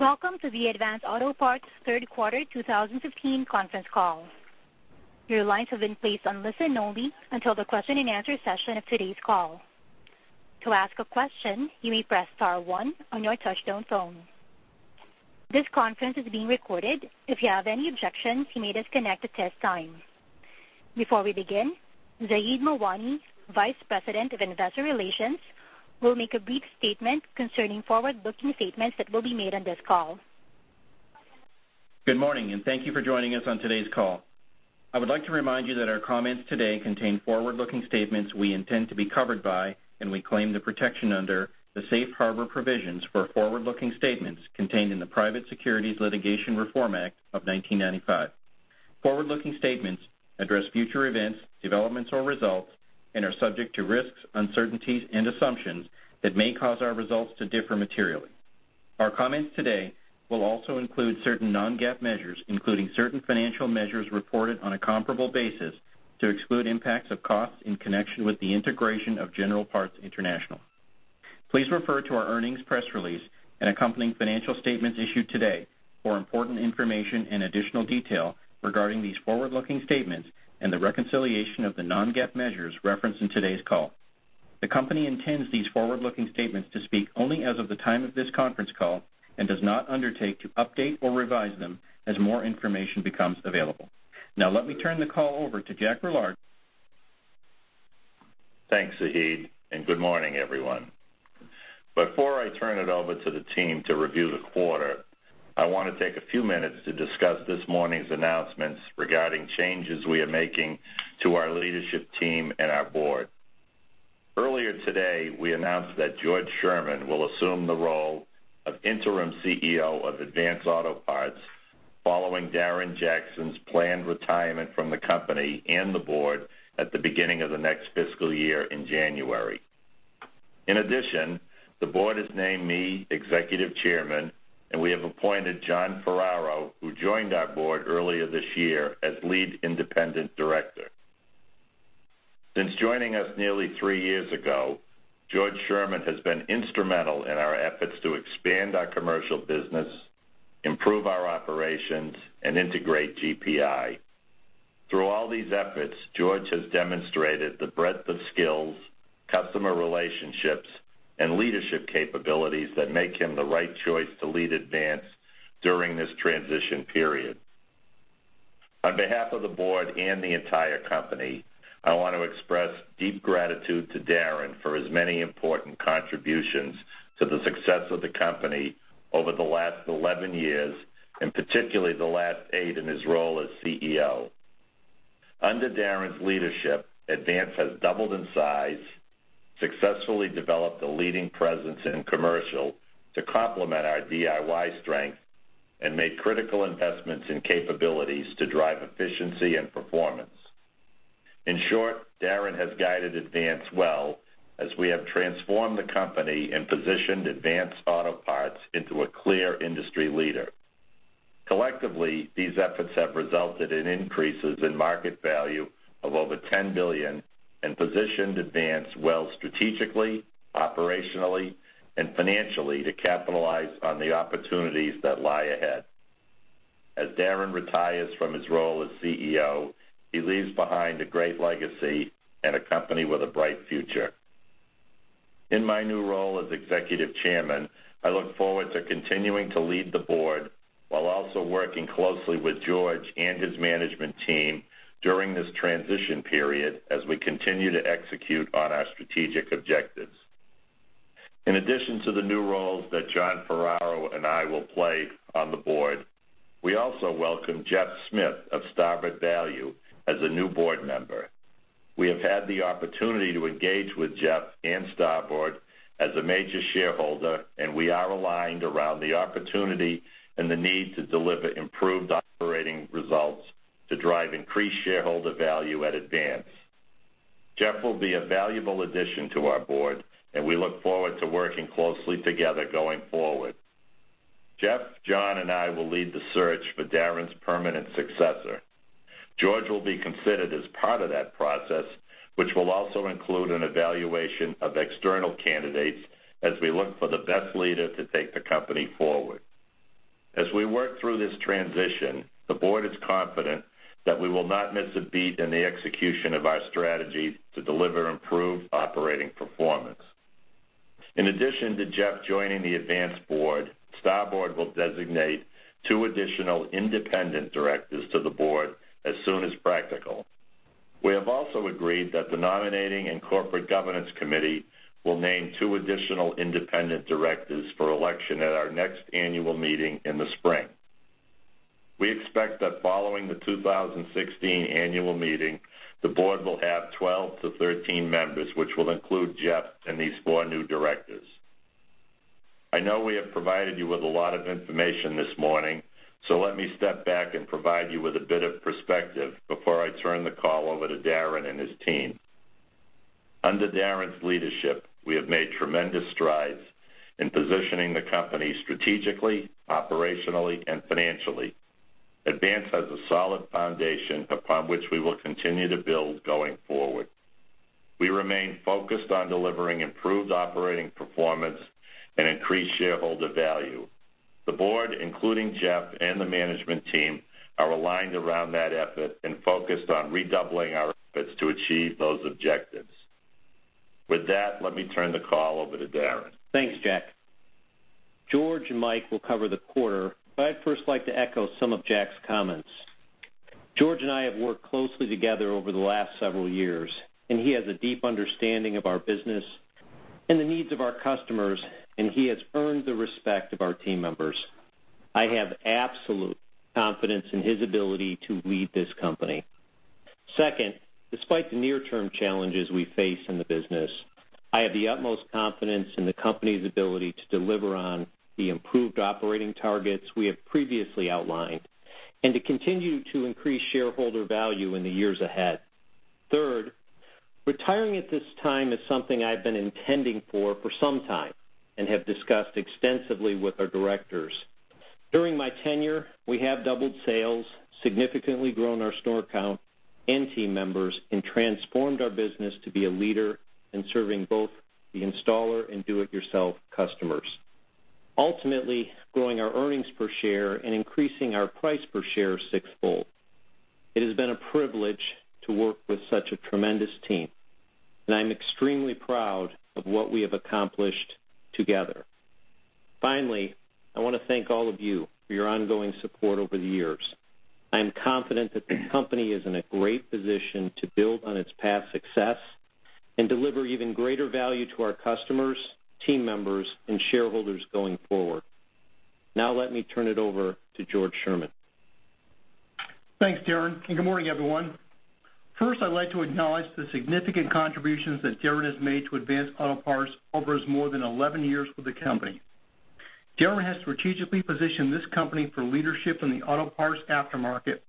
Welcome to the Advance Auto Parts third quarter 2015 conference call. Your lines have been placed on listen only until the question and answer session of today's call. To ask a question, you may press star one on your touch-tone phone. This conference is being recorded. If you have any objections, you may disconnect at this time. Before we begin, Zaheed Mawani, Vice President of Investor Relations, will make a brief statement concerning forward-looking statements that will be made on this call. Good morning, and thank you for joining us on today's call. I would like to remind you that our comments today contain forward-looking statements we intend to be covered by, and we claim the protection under, the safe harbor provisions for forward-looking statements contained in the Private Securities Litigation Reform Act of 1995. Forward-looking statements address future events, developments, or results and are subject to risks, uncertainties, and assumptions that may cause our results to differ materially. Our comments today will also include certain non-GAAP measures, including certain financial measures reported on a comparable basis to exclude impacts of costs in connection with the integration of General Parts International. Please refer to our earnings press release and accompanying financial statements issued today for important information and additional detail regarding these forward-looking statements and the reconciliation of the non-GAAP measures referenced in today's call. The company intends these forward-looking statements to speak only as of the time of this conference call and does not undertake to update or revise them as more information becomes available. Now let me turn the call over to George Sherman. Thanks, Zaheed, and good morning, everyone. Before I turn it over to the team to review the quarter, I want to take a few minutes to discuss this morning's announcements regarding changes we are making to our leadership team and our board. Earlier today, we announced that George Sherman will assume the role of interim CEO of Advance Auto Parts following Darren Jackson's planned retirement from the company and the board at the beginning of the next fiscal year in January. In addition, the board has named me Executive Chairman, and we have appointed John Ferraro, who joined our board earlier this year, as Lead Independent Director. Since joining us nearly three years ago, George Sherman has been instrumental in our efforts to expand our commercial business, improve our operations, and integrate GPI. Through all these efforts, George Sherman has demonstrated the breadth of skills, customer relationships, and leadership capabilities that make him the right choice to lead Advance during this transition period. On behalf of the board and the entire company, I want to express deep gratitude to Darren Jackson for his many important contributions to the success of the company over the last 11 years, and particularly the last eight in his role as CEO. Under Darren Jackson's leadership, Advance has doubled in size, successfully developed a leading presence in commercial to complement our DIY strength, and made critical investments in capabilities to drive efficiency and performance. In short, Darren Jackson has guided Advance well as we have transformed the company and positioned Advance Auto Parts into a clear industry leader. Collectively, these efforts have resulted in increases in market value of over $10 billion and positioned Advance well strategically, operationally, and financially to capitalize on the opportunities that lie ahead. As Darren Jackson retires from his role as CEO, he leaves behind a great legacy and a company with a bright future. In my new role as Executive Chairman, I look forward to continuing to lead the board while also working closely with George Sherman and his management team during this transition period as we continue to execute on our strategic objectives. In addition to the new roles that John Ferraro and I will play on the board, we also welcome Jeffrey Smith of Starboard Value as a new board member. We have had the opportunity to engage with Jeff and Starboard Value as a major shareholder, we are aligned around the opportunity and the need to deliver improved operating results to drive increased shareholder value at Advance. Jeff will be a valuable addition to our board, we look forward to working closely together going forward. Jeff, John, and I will lead the search for Darren Jackson's permanent successor. George Sherman will be considered as part of that process, which will also include an evaluation of external candidates as we look for the best leader to take the company forward. As we work through this transition, the board is confident that we will not miss a beat in the execution of our strategy to deliver improved operating performance. In addition to Jeff joining the Advance board, Starboard Value will designate two additional independent directors to the board as soon as practical. We have also agreed that the Nominating and Corporate Governance Committee will name two additional independent directors for election at our next annual meeting in the spring. We expect that following the 2016 annual meeting, the board will have 12 to 13 members, which will include Jeff and these four new directors. I know we have provided you with a lot of information this morning, let me step back and provide you with a bit of perspective before I turn the call over to Darren Jackson and his team. Under Darren Jackson's leadership, we have made tremendous strides in positioning the company strategically, operationally, and financially. Advance has a solid foundation upon which we will continue to build going forward. We remain focused on delivering improved operating performance and increased shareholder value. The board, including Jeff and the management team, are aligned around that effort and focused on redoubling our efforts to achieve those objectives. With that, let me turn the call over to Darren. Thanks, George. George and Mike will cover the quarter. I'd first like to echo some of George's comments. George and I have worked closely together over the last several years. He has a deep understanding of our business and the needs of our customers. He has earned the respect of our team members. I have absolute confidence in his ability to lead this company. Second, despite the near-term challenges we face in the business, I have the utmost confidence in the company's ability to deliver on the improved operating targets we have previously outlined and to continue to increase shareholder value in the years ahead. Third, retiring at this time is something I've been intending for some time and have discussed extensively with our directors. During my tenure, we have doubled sales, significantly grown our store count and team members, and transformed our business to be a leader in serving both the installer and do-it-yourself customers. Ultimately, growing our earnings per share and increasing our price per share sixfold. It has been a privilege to work with such a tremendous team. I'm extremely proud of what we have accomplished together. Finally, I want to thank all of you for your ongoing support over the years. I am confident that the company is in a great position to build on its past success and deliver even greater value to our customers, team members, and shareholders going forward. Now let me turn it over to George Sherman. Thanks, Darren. Good morning, everyone. First, I'd like to acknowledge the significant contributions that Darren has made to Advance Auto Parts over his more than 11 years with the company. Darren has strategically positioned this company for leadership in the auto parts aftermarket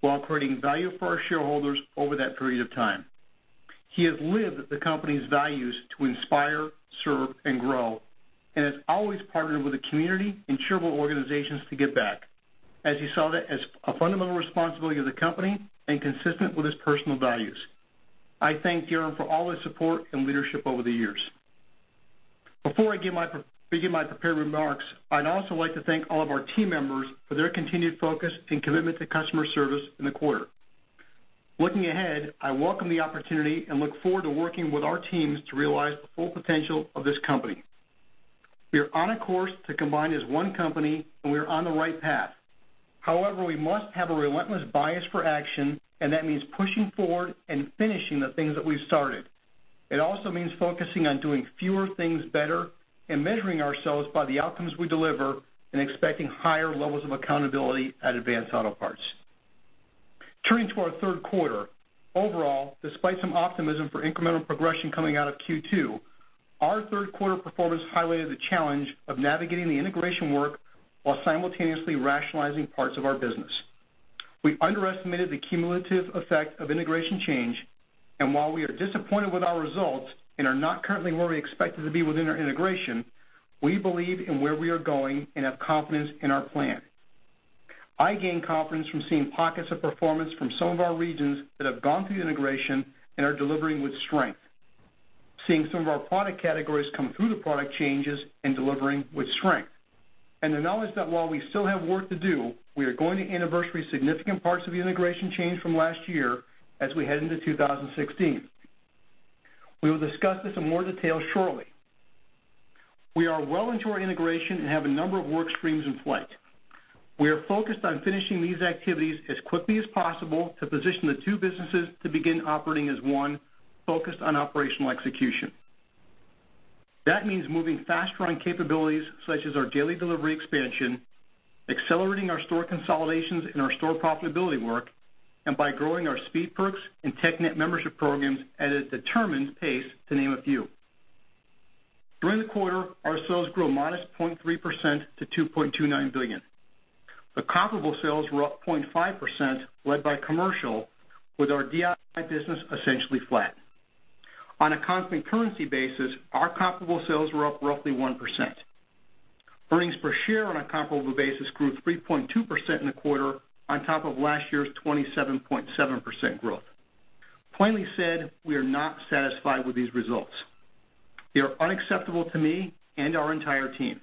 while creating value for our shareholders over that period of time. He has lived the company's values to inspire, serve, and grow. Has always partnered with the community and charitable organizations to give back, as he saw that as a fundamental responsibility of the company and consistent with his personal values. I thank Darren for all his support and leadership over the years. Before I begin my prepared remarks, I'd also like to thank all of our team members for their continued focus and commitment to customer service in the quarter. Looking ahead, I welcome the opportunity and look forward to working with our teams to realize the full potential of this company. We are on a course to combine as one company and we are on the right path. However, we must have a relentless bias for action, and that means pushing forward and finishing the things that we've started. It also means focusing on doing fewer things better and measuring ourselves by the outcomes we deliver and expecting higher levels of accountability at Advance Auto Parts. Turning to our third quarter. Overall, despite some optimism for incremental progression coming out of Q2, our third quarter performance highlighted the challenge of navigating the integration work while simultaneously rationalizing parts of our business. We underestimated the cumulative effect of integration change, and while we are disappointed with our results and are not currently where we expected to be within our integration, we believe in where we are going and have confidence in our plan. I gain confidence from seeing pockets of performance from some of our regions that have gone through the integration and are delivering with strength. Seeing some of our product categories come through the product changes and delivering with strength. The knowledge that while we still have work to do, we are going to anniversary significant parts of the integration change from last year as we head into 2016. We will discuss this in more detail shortly. We are well into our integration and have a number of work streams in flight. We are focused on finishing these activities as quickly as possible to position the two businesses to begin operating as one, focused on operational execution. That means moving fast on capabilities such as our daily delivery expansion, accelerating our store consolidations and our store profitability work, and by growing our Speed Perks and TechNet membership programs at a determined pace, to name a few. During the quarter, our sales grew a modest 0.3% to $2.29 billion. The comparable sales were up 0.5% led by commercial, with our DIY business essentially flat. On a constant currency basis, our comparable sales were up roughly 1%. Earnings per share on a comparable basis grew 3.2% in the quarter, on top of last year's 27.7% growth. Plainly said, we are not satisfied with these results. They are unacceptable to me and our entire team.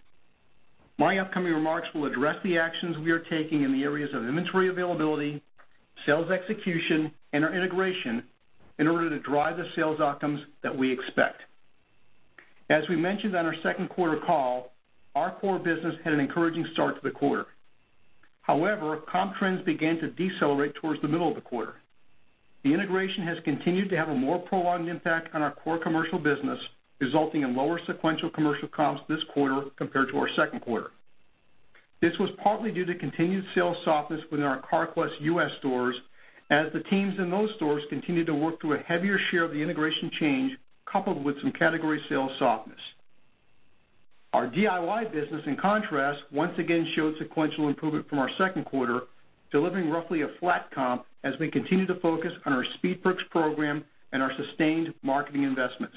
My upcoming remarks will address the actions we are taking in the areas of inventory availability, sales execution, and our integration in order to drive the sales outcomes that we expect. As we mentioned on our second quarter call, our core business had an encouraging start to the quarter. However, comp trends began to decelerate towards the middle of the quarter. The integration has continued to have a more prolonged impact on our core commercial business, resulting in lower sequential commercial comps this quarter compared to our second quarter. This was partly due to continued sales softness within our Carquest U.S. stores as the teams in those stores continued to work through a heavier share of the integration change, coupled with some category sales softness. Our DIY business, in contrast, once again showed sequential improvement from our second quarter, delivering roughly a flat comp as we continue to focus on our Speed Perks program and our sustained marketing investments.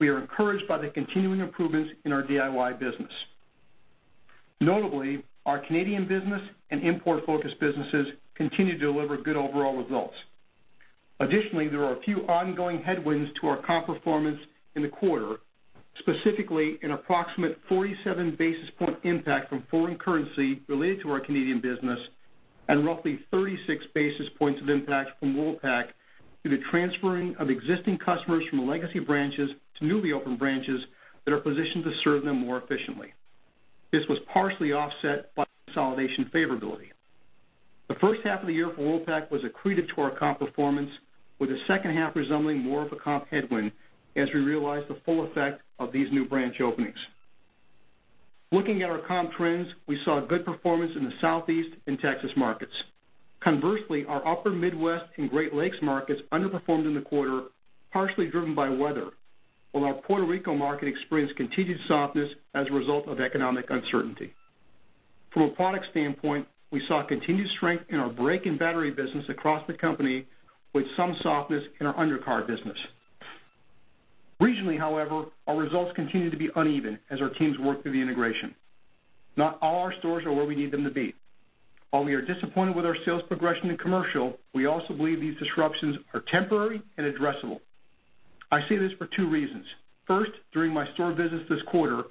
We are encouraged by the continuing improvements in our DIY business. Notably, our Canadian business and import-focused businesses continue to deliver good overall results. Additionally, there are a few ongoing headwinds to our comp performance in the quarter, specifically an approximate 47 basis point impact from foreign currency related to our Canadian business and roughly 36 basis points of impact from Worldpac due to transferring of existing customers from the legacy branches to newly opened branches that are positioned to serve them more efficiently. This was partially offset by consolidation favorability. The first half of the year for Worldpac was accretive to our comp performance, with the second half resembling more of a comp headwind as we realized the full effect of these new branch openings. Looking at our comp trends, we saw good performance in the Southeast and Texas markets. Conversely, our Upper Midwest and Great Lakes markets underperformed in the quarter, partially driven by weather, while our Puerto Rico market experienced continued softness as a result of economic uncertainty. From a product standpoint, we saw continued strength in our brake and battery business across the company with some softness in our undercar business. Regionally, however, our results continue to be uneven as our teams work through the integration. Not all our stores are where we need them to be. While we are disappointed with our sales progression in commercial, we also believe these disruptions are temporary and addressable. I say this for two reasons. First, during my store visits this quarter,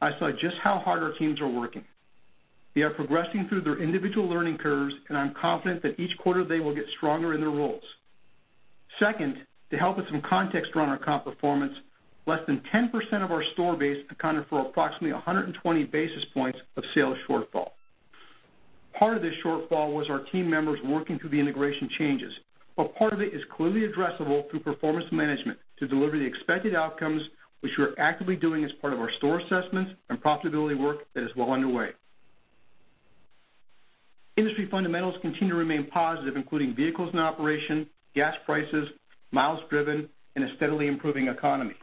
I saw just how hard our teams are working. They are progressing through their individual learning curves, and I'm confident that each quarter they will get stronger in their roles. Second, to help with some context around our comp performance, less than 10% of our store base accounted for approximately 120 basis points of sales shortfall. Part of this shortfall was our team members working through the integration changes, but part of it is clearly addressable through performance management to deliver the expected outcomes, which we're actively doing as part of our store assessments and profitability work that is well underway. Industry fundamentals continue to remain positive, including vehicles in operation, gas prices, miles driven, and a steadily improving economy.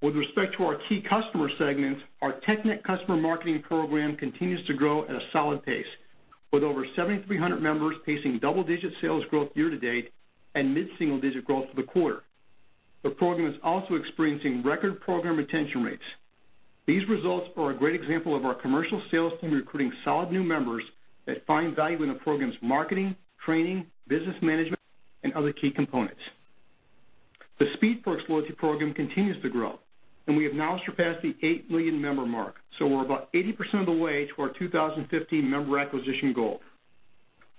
With respect to our key customer segments, our TechNet customer marketing program continues to grow at a solid pace with over 7,300 members pacing double-digit sales growth year to date and mid-single digit growth for the quarter. The program is also experiencing record program retention rates. These results are a great example of our commercial sales team recruiting solid new members that find value in the program's marketing, training, business management, and other key components. The Speed Perks loyalty program continues to grow, and we have now surpassed the 8 million member mark, so we're about 80% of the way to our 2015 member acquisition goal.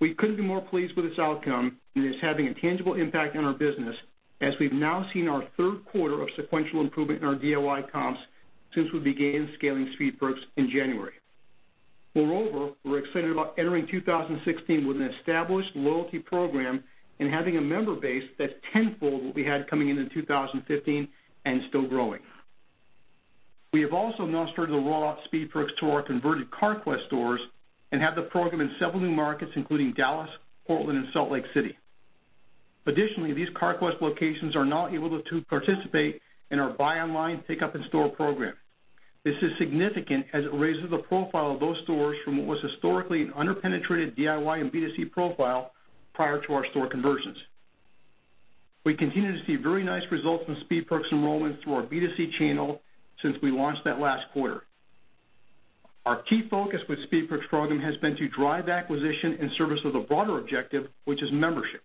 We couldn't be more pleased with this outcome, and it's having a tangible impact on our business as we've now seen our third quarter of sequential improvement in our DIY comps since we began scaling Speed Perks in January. We're excited about entering 2016 with an established loyalty program and having a member base that's tenfold what we had coming into 2015 and still growing. We have also now started to roll out Speed Perks to our converted Carquest stores and have the program in several new markets, including Dallas, Portland, and Salt Lake City. These Carquest locations are now able to participate in our buy online, pick up in store program. This is significant as it raises the profile of those stores from what was historically an under-penetrated DIY and B2C profile prior to our store conversions. We continue to see very nice results from Speed Perks enrollments through our B2C channel since we launched that last quarter. Our key focus with Speed Perks program has been to drive acquisition in service of the broader objective, which is membership.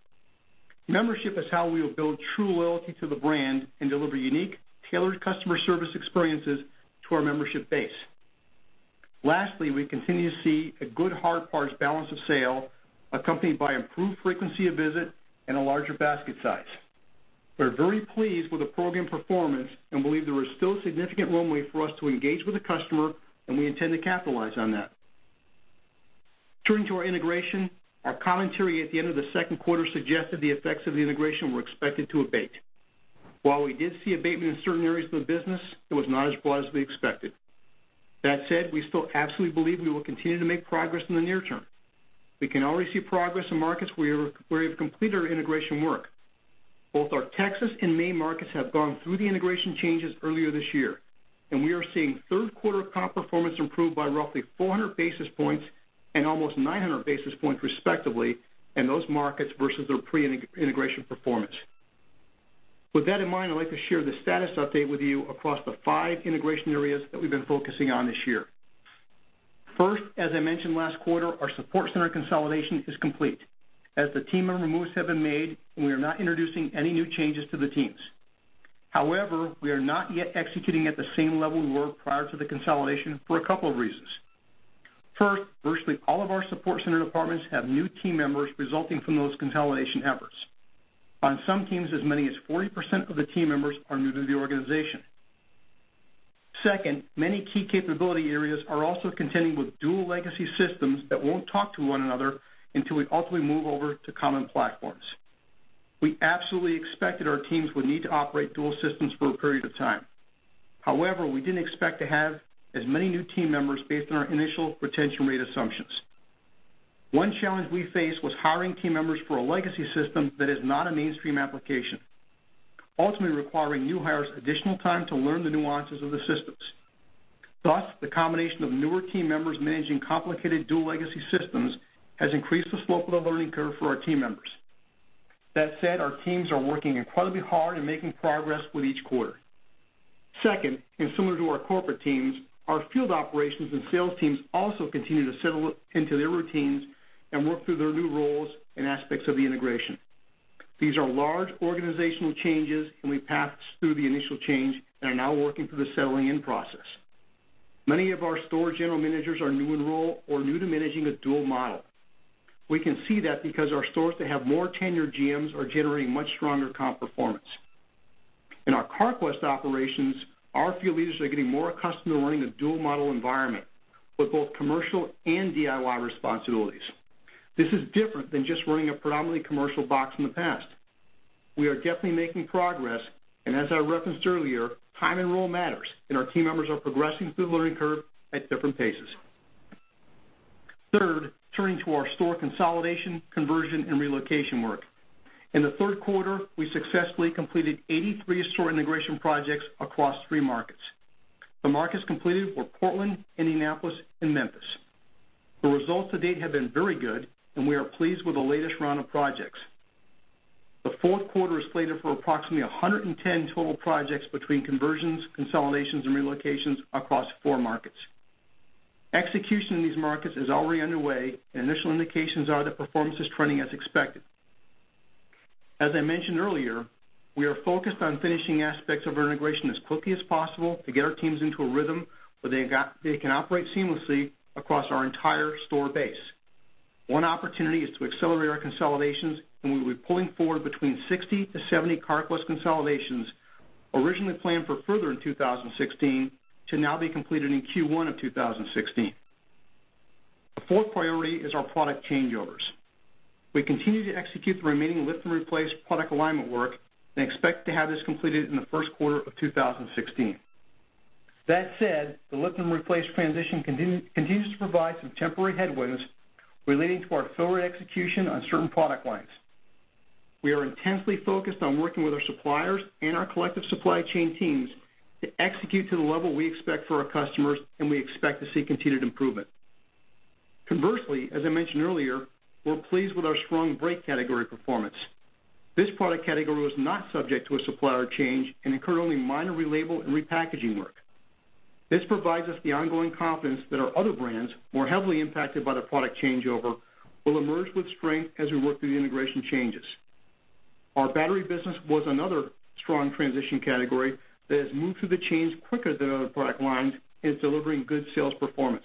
Membership is how we will build true loyalty to the brand and deliver unique, tailored customer service experiences to our membership base. We continue to see a good hard parts balance of sale accompanied by improved frequency of visit and a larger basket size. We're very pleased with the program performance and believe there is still significant runway for us to engage with the customer. We intend to capitalize on that. Turning to our integration, our commentary at the end of the second quarter suggested the effects of the integration were expected to abate. We did see abatement in certain areas of the business, it was not as broad as we expected. That said, we still absolutely believe we will continue to make progress in the near term. We can already see progress in markets where we have completed our integration work. Both our Texas and Maine markets have gone through the integration changes earlier this year, and we are seeing third quarter comp performance improve by roughly 400 basis points and almost 900 basis points respectively in those markets versus their pre-integration performance. With that in mind, I'd like to share the status update with you across the five integration areas that we've been focusing on this year. As I mentioned last quarter, our support center consolidation is complete. The team member moves have been made. We are not introducing any new changes to the teams. We are not yet executing at the same level we were prior to the consolidation for a couple of reasons. Virtually all of our support center departments have new team members resulting from those consolidation efforts. On some teams, as many as 40% of the team members are new to the organization. Many key capability areas are also contending with dual legacy systems that won't talk to one another until we ultimately move over to common platforms. We absolutely expected our teams would need to operate dual systems for a period of time. We didn't expect to have as many new team members based on our initial retention rate assumptions. One challenge we faced was hiring team members for a legacy system that is not a mainstream application, ultimately requiring new hires additional time to learn the nuances of the systems. The combination of newer team members managing complicated dual legacy systems has increased the slope of the learning curve for our team members. That said, our teams are working incredibly hard and making progress with each quarter. Second, similar to our corporate teams, our field operations and sales teams also continue to settle into their routines and work through their new roles and aspects of the integration. These are large organizational changes, and we passed through the initial change and are now working through the settling-in process. Many of our store general managers are new in role or new to managing a dual model. We can see that because our stores that have more tenured GMs are generating much stronger comp performance. In our Carquest operations, our field leaders are getting more accustomed to running a dual model environment with both commercial and DIY responsibilities. This is different than just running a predominantly commercial box in the past. We are definitely making progress, and as I referenced earlier, time and role matters, and our team members are progressing through the learning curve at different paces. Third, turning to our store consolidation, conversion, and relocation work. In the third quarter, we successfully completed 83 store integration projects across three markets. The markets completed were Portland, Indianapolis, and Memphis. The results to date have been very good, and we are pleased with the latest round of projects. The fourth quarter is slated for approximately 110 total projects between conversions, consolidations, and relocations across four markets. Execution in these markets is already underway, and initial indications are that performance is trending as expected. As I mentioned earlier, we are focused on finishing aspects of our integration as quickly as possible to get our teams into a rhythm where they can operate seamlessly across our entire store base. One opportunity is to accelerate our consolidations, and we'll be pulling forward between 60 to 70 Carquest consolidations originally planned for further in 2016 to now be completed in Q1 of 2016. The fourth priority is our product changeovers. We continue to execute the remaining lift-and-replace product alignment work and expect to have this completed in the first quarter of 2016. That said, the lift-and-replace transition continues to provide some temporary headwinds relating to our forward execution on certain product lines. We are intensely focused on working with our suppliers and our collective supply chain teams to execute to the level we expect for our customers, and we expect to see continued improvement. Conversely, as I mentioned earlier, we're pleased with our strong brake category performance. This product category was not subject to a supplier change and incurred only minor relabel and repackaging work. This provides us the ongoing confidence that our other brands, more heavily impacted by the product changeover, will emerge with strength as we work through the integration changes. Our battery business was another strong transition category that has moved through the change quicker than other product lines and is delivering good sales performance.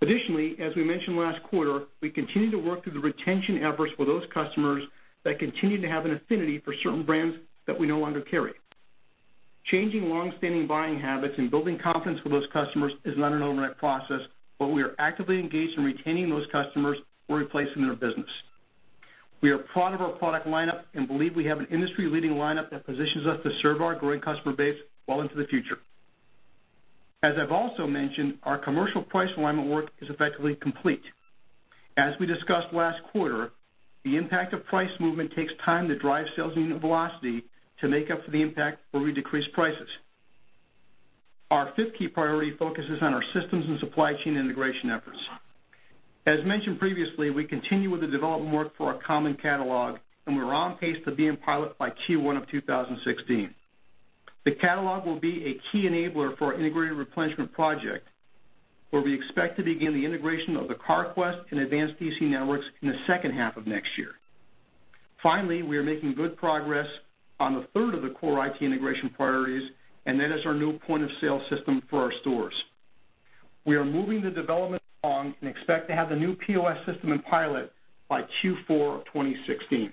Additionally, as we mentioned last quarter, we continue to work through the retention efforts for those customers that continue to have an affinity for certain brands that we no longer carry. Changing longstanding buying habits and building confidence with those customers is not an overnight process, but we are actively engaged in retaining those customers or replacing their business. We are proud of our product lineup and believe we have an industry-leading lineup that positions us to serve our growing customer base well into the future. As I've also mentioned, our commercial price alignment work is effectively complete. As we discussed last quarter, the impact of price movement takes time to drive sales unit velocity to make up for the impact where we decrease prices. Our fifth key priority focuses on our systems and supply chain integration efforts. As mentioned previously, we continue with the development work for our common catalog, and we're on pace to be in pilot by Q1 of 2016. The catalog will be a key enabler for our integrated replenishment project, where we expect to begin the integration of the Carquest and Advance DC networks in the second half of next year. Finally, we are making good progress on the third of the core IT integration priorities, and that is our new point-of-sale system for our stores. We are moving the development along and expect to have the new POS system in pilot by Q4 of 2016.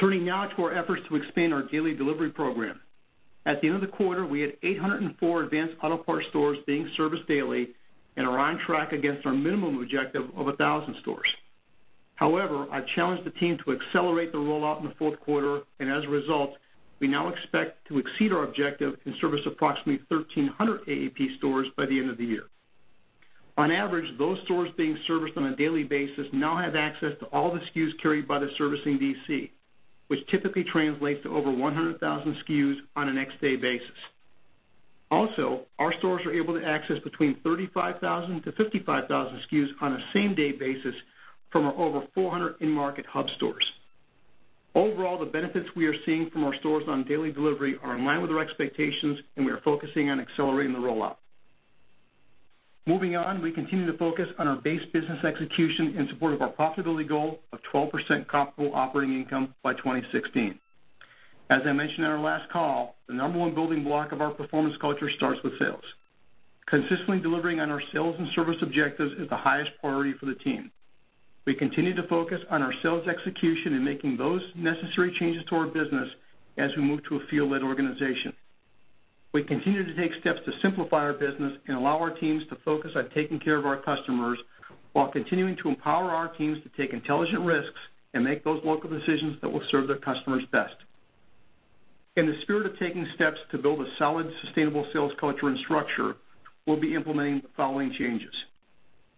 Turning now to our efforts to expand our daily delivery program. At the end of the quarter, we had 804 Advance Auto Parts stores being serviced daily and are on track against our minimum objective of 1,000 stores. However, I challenged the team to accelerate the rollout in the fourth quarter, and as a result, we now expect to exceed our objective and service approximately 1,300 AAP stores by the end of the year. On average, those stores being serviced on a daily basis now have access to all the SKUs carried by the servicing DC, which typically translates to over 100,000 SKUs on a next-day basis. Also, our stores are able to access between 35,000-55,000 SKUs on a same-day basis from our over 400 in-market hub stores. Overall, the benefits we are seeing from our stores on daily delivery are in line with our expectations, and we are focusing on accelerating the rollout. Moving on, we continue to focus on our base business execution in support of our profitability goal of 12% profitable operating income by 2016. As I mentioned on our last call, the number 1 building block of our performance culture starts with sales. Consistently delivering on our sales and service objectives is the highest priority for the team. We continue to focus on our sales execution and making those necessary changes to our business as we move to a field-led organization. We continue to take steps to simplify our business and allow our teams to focus on taking care of our customers while continuing to empower our teams to take intelligent risks and make those local decisions that will serve their customers best. In the spirit of taking steps to build a solid, sustainable sales culture and structure, we'll be implementing the following changes.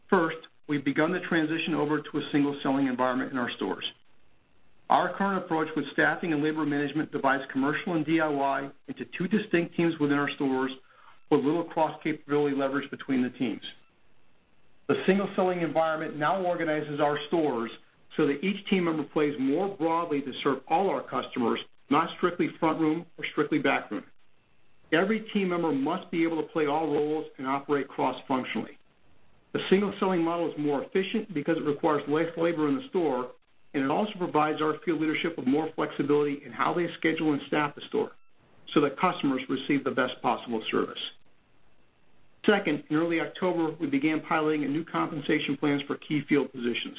First, we've begun the transition over to a single-selling environment in our stores. Our current approach with staffing and labor management divides commercial and DIY into two distinct teams within our stores with little cross-capability leverage between the teams. The single-selling environment now organizes our stores so that each team member plays more broadly to serve all our customers, not strictly front room or strictly back room. Every team member must be able to play all roles and operate cross-functionally. The single-selling model is more efficient because it requires less labor in the store. It also provides our field leadership with more flexibility in how they schedule and staff the store so that customers receive the best possible service. In early October, we began piloting new compensation plans for key field positions.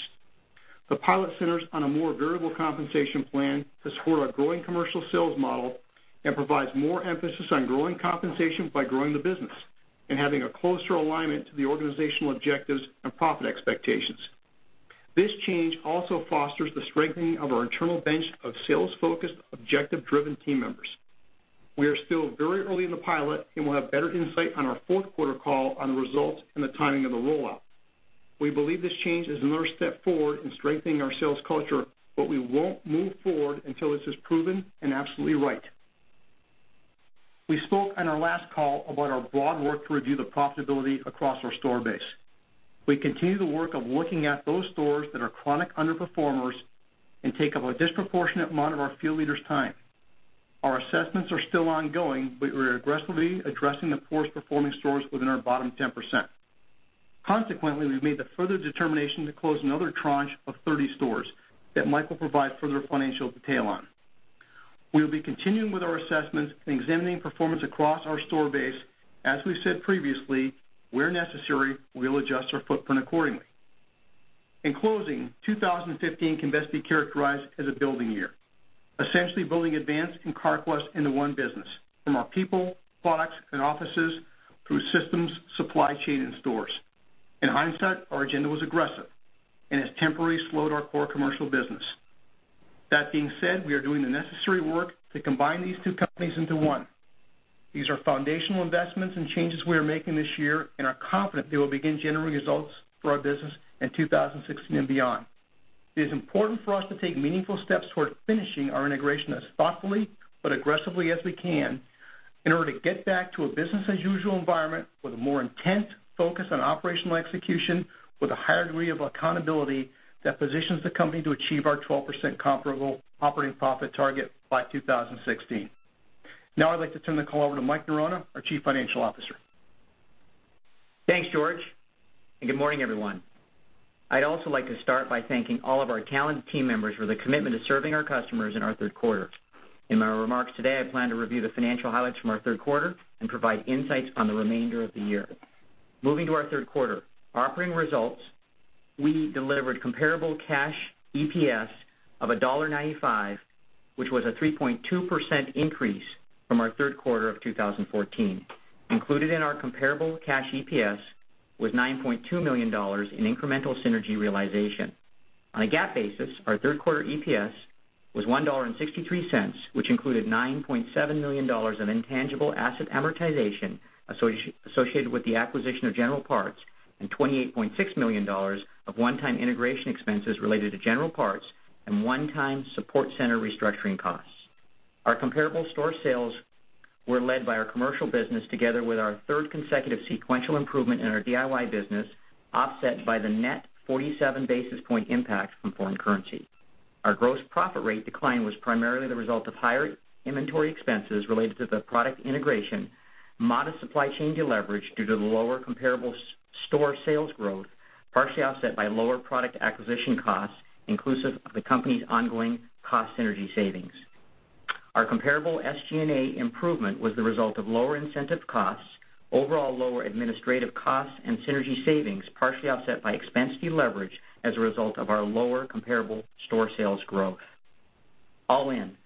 The pilot centers on a more variable compensation plan to support our growing commercial sales model and provides more emphasis on growing compensation by growing the business and having a closer alignment to the organizational objectives and profit expectations. This change also fosters the strengthening of our internal bench of sales-focused, objective-driven team members. We are still very early in the pilot, and we'll have better insight on our fourth quarter call on the results and the timing of the rollout. We believe this change is another step forward in strengthening our sales culture, but we won't move forward until this is proven and absolutely right. We spoke on our last call about our broad work to review the profitability across our store base. We continue the work of looking at those stores that are chronic underperformers and take up a disproportionate amount of our field leaders' time. Our assessments are still ongoing, but we're aggressively addressing the poorest-performing stores within our bottom 10%. Consequently, we've made the further determination to close another tranche of 30 stores that Mike will provide further financial detail on. We will be continuing with our assessments and examining performance across our store base. As we've said previously, where necessary, we will adjust our footprint accordingly. In closing, 2015 can best be characterized as a building year, essentially building Advance and Carquest into one business from our people, products, and offices through systems, supply chain, and stores. In hindsight, our agenda was aggressive and has temporarily slowed our core commercial business. That being said, we are doing the necessary work to combine these two companies into one. These are foundational investments and changes we are making this year and are confident they will begin generating results for our business in 2016 and beyond. It is important for us to take meaningful steps toward finishing our integration as thoughtfully but aggressively as we can in order to get back to a business-as-usual environment with a more intent focus on operational execution with a higher degree of accountability that positions the company to achieve our 12% comparable operating profit target by 2016. I'd like to turn the call over to Mike Norona, our Chief Financial Officer. Thanks, George, and good morning, everyone. I'd also like to start by thanking all of our talented team members for their commitment to serving our customers in our third quarter. In my remarks today, I plan to review the financial highlights from our third quarter and provide insights on the remainder of the year. Moving to our third quarter operating results, we delivered comparable cash EPS of $1.95, which was a 3.2% increase from our third quarter of 2014. Included in our comparable cash EPS was $9.2 million in incremental synergy realization. On a GAAP basis, our third quarter EPS was $1.63, which included $9.7 million of intangible asset amortization associated with the acquisition of General Parts and $28.6 million of one-time integration expenses related to General Parts and one-time support center restructuring costs. Our comparable store sales were led by our commercial business together with our third consecutive sequential improvement in our DIY business, offset by the net 47 basis point impact from foreign currency. Our gross profit rate decline was primarily the result of higher inventory expenses related to the product integration, modest supply chain deleverage due to the lower comparable store sales growth, partially offset by lower product acquisition costs, inclusive of the company's ongoing cost synergy savings. Our comparable SG&A improvement was the result of lower incentive costs, overall lower administrative costs, and synergy savings, partially offset by expense deleverage as a result of our lower comparable store sales growth. All in,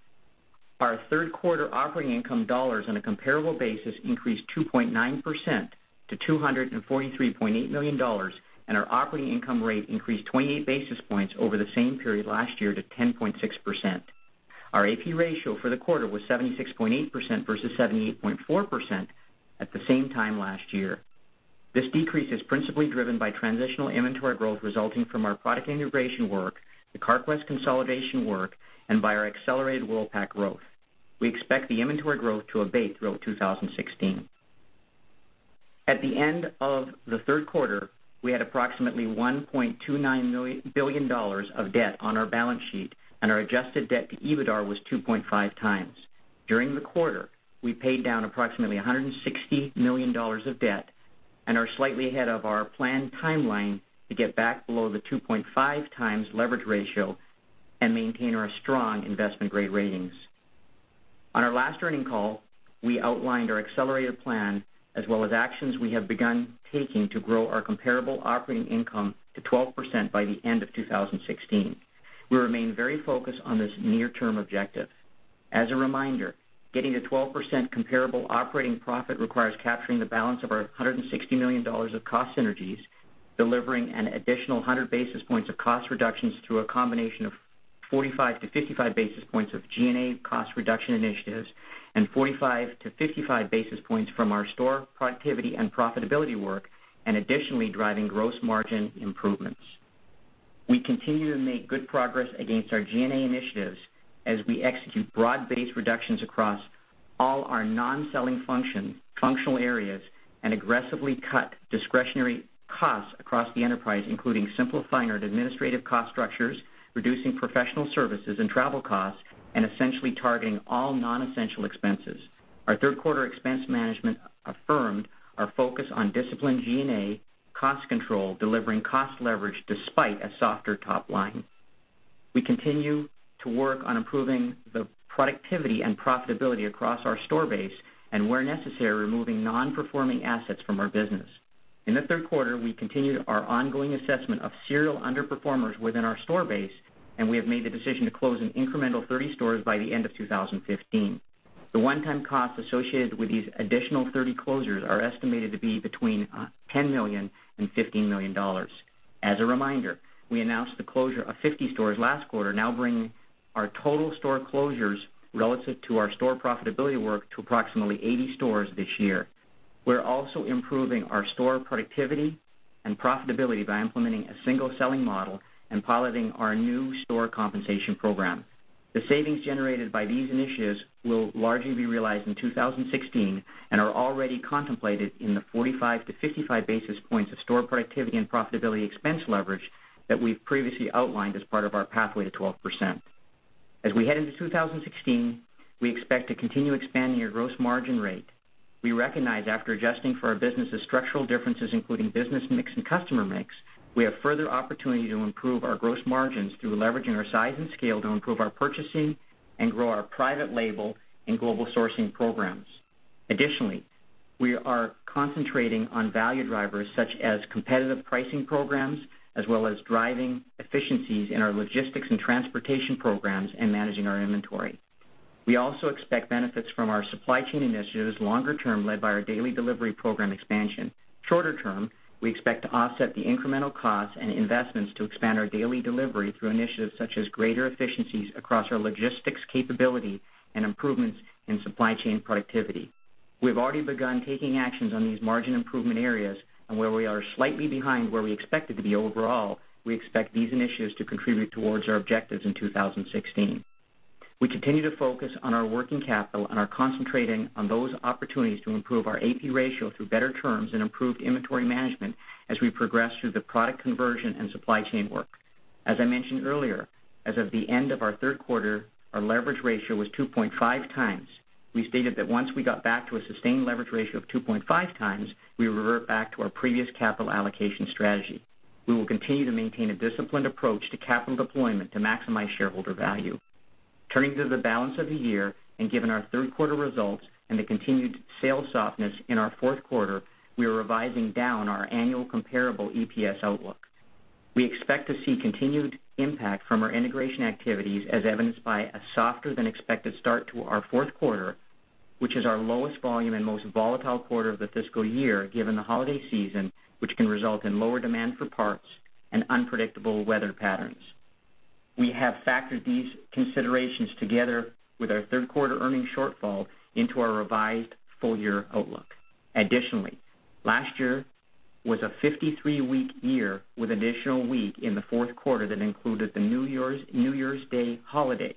our third quarter operating income dollars on a comparable basis increased 2.9% to $243.8 million, and our operating income rate increased 28 basis points over the same period last year to 10.6%. Our AP ratio for the quarter was 76.8% versus 78.4% at the same time last year. This decrease is principally driven by transitional inventory growth resulting from our product integration work, the Carquest consolidation work, and by our accelerated Worldpac growth. We expect the inventory growth to abate throughout 2016. At the end of the third quarter, we had approximately $1.29 billion of debt on our balance sheet, and our adjusted debt to EBITDAR was 2.5 times. During the quarter, we paid down approximately $160 million of debt and are slightly ahead of our planned timeline to get back below the 2.5 times leverage ratio and maintain our strong investment-grade ratings. On our last earning call, we outlined our accelerated plan as well as actions we have begun taking to grow our comparable operating income to 12% by the end of 2016. We remain very focused on this near-term objective. As a reminder, getting to 12% comparable operating profit requires capturing the balance of our $160 million of cost synergies, delivering an additional 100 basis points of cost reductions through a combination of 45-55 basis points of G&A cost reduction initiatives and 45-55 basis points from our store productivity and profitability work, and additionally, driving gross margin improvements. We continue to make good progress against our G&A initiatives as we execute broad-based reductions across all our non-selling functional areas and aggressively cut discretionary costs across the enterprise, including simplifying our administrative cost structures, reducing professional services and travel costs, and essentially targeting all non-essential expenses. Our third quarter expense management affirmed our focus on disciplined G&A cost control, delivering cost leverage despite a softer top line. We continue to work on improving the productivity and profitability across our store base, and where necessary, removing non-performing assets from our business. In the third quarter, we continued our ongoing assessment of serial underperformers within our store base, and we have made the decision to close an incremental 30 stores by the end of 2015. The one-time costs associated with these additional 30 closures are estimated to be between $10 million and $15 million. As a reminder, we announced the closure of 50 stores last quarter, now bringing our total store closures relative to our store profitability work to approximately 80 stores this year. We're also improving our store productivity and profitability by implementing a single selling model and piloting our new store compensation program. The savings generated by these initiatives will largely be realized in 2016 and are already contemplated in the 45 to 55 basis points of store productivity and profitability expense leverage that we've previously outlined as part of our pathway to 12%. As we head into 2016, we expect to continue expanding our gross margin rate. We recognize after adjusting for our business' structural differences, including business mix and customer mix, we have further opportunity to improve our gross margins through leveraging our size and scale to improve our purchasing and grow our private label and global sourcing programs. Additionally, we are concentrating on value drivers such as competitive pricing programs, as well as driving efficiencies in our logistics and transportation programs and managing our inventory. We also expect benefits from our supply chain initiatives longer term led by our daily delivery program expansion. Shorter term, we expect to offset the incremental costs and investments to expand our daily delivery through initiatives such as greater efficiencies across our logistics capability and improvements in supply chain productivity. We've already begun taking actions on these margin improvement areas and where we are slightly behind where we expected to be overall, we expect these initiatives to contribute towards our objectives in 2016. We continue to focus on our working capital and are concentrating on those opportunities to improve our AP ratio through better terms and improved inventory management as we progress through the product conversion and supply chain work. As I mentioned earlier, as of the end of our third quarter, our leverage ratio was 2.5 times. We stated that once we got back to a sustained leverage ratio of 2.5 times, we revert back to our previous capital allocation strategy. We will continue to maintain a disciplined approach to capital deployment to maximize shareholder value. Turning to the balance of the year and given our third quarter results and the continued sales softness in our fourth quarter, we are revising down our annual comparable EPS outlook. We expect to see continued impact from our integration activities as evidenced by a softer than expected start to our fourth quarter, which is our lowest volume and most volatile quarter of the fiscal year, given the holiday season, which can result in lower demand for parts and unpredictable weather patterns. We have factored these considerations together with our third quarter earnings shortfall into our revised full-year outlook. Additionally, last year was a 53-week year with additional week in the fourth quarter that included the New Year's Day holiday.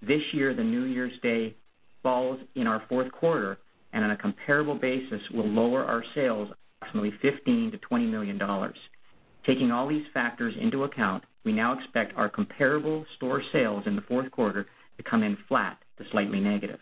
This year, the New Year's Day falls in our fourth quarter and on a comparable basis will lower our sales approximately $15 million to $20 million. Taking all these factors into account, we now expect our comparable store sales in the fourth quarter to come in flat to slightly negative.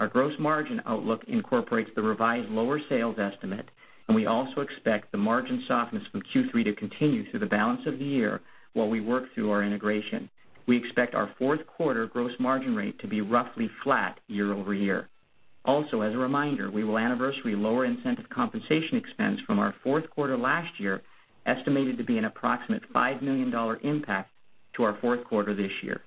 Our gross margin outlook incorporates the revised lower sales estimate, and we also expect the margin softness from Q3 to continue through the balance of the year while we work through our integration. We expect our fourth quarter gross margin rate to be roughly flat year-over-year. Also, as a reminder, we will anniversary lower incentive compensation expense from our fourth quarter last year, estimated to be an approximate $5 million impact to our fourth quarter this year.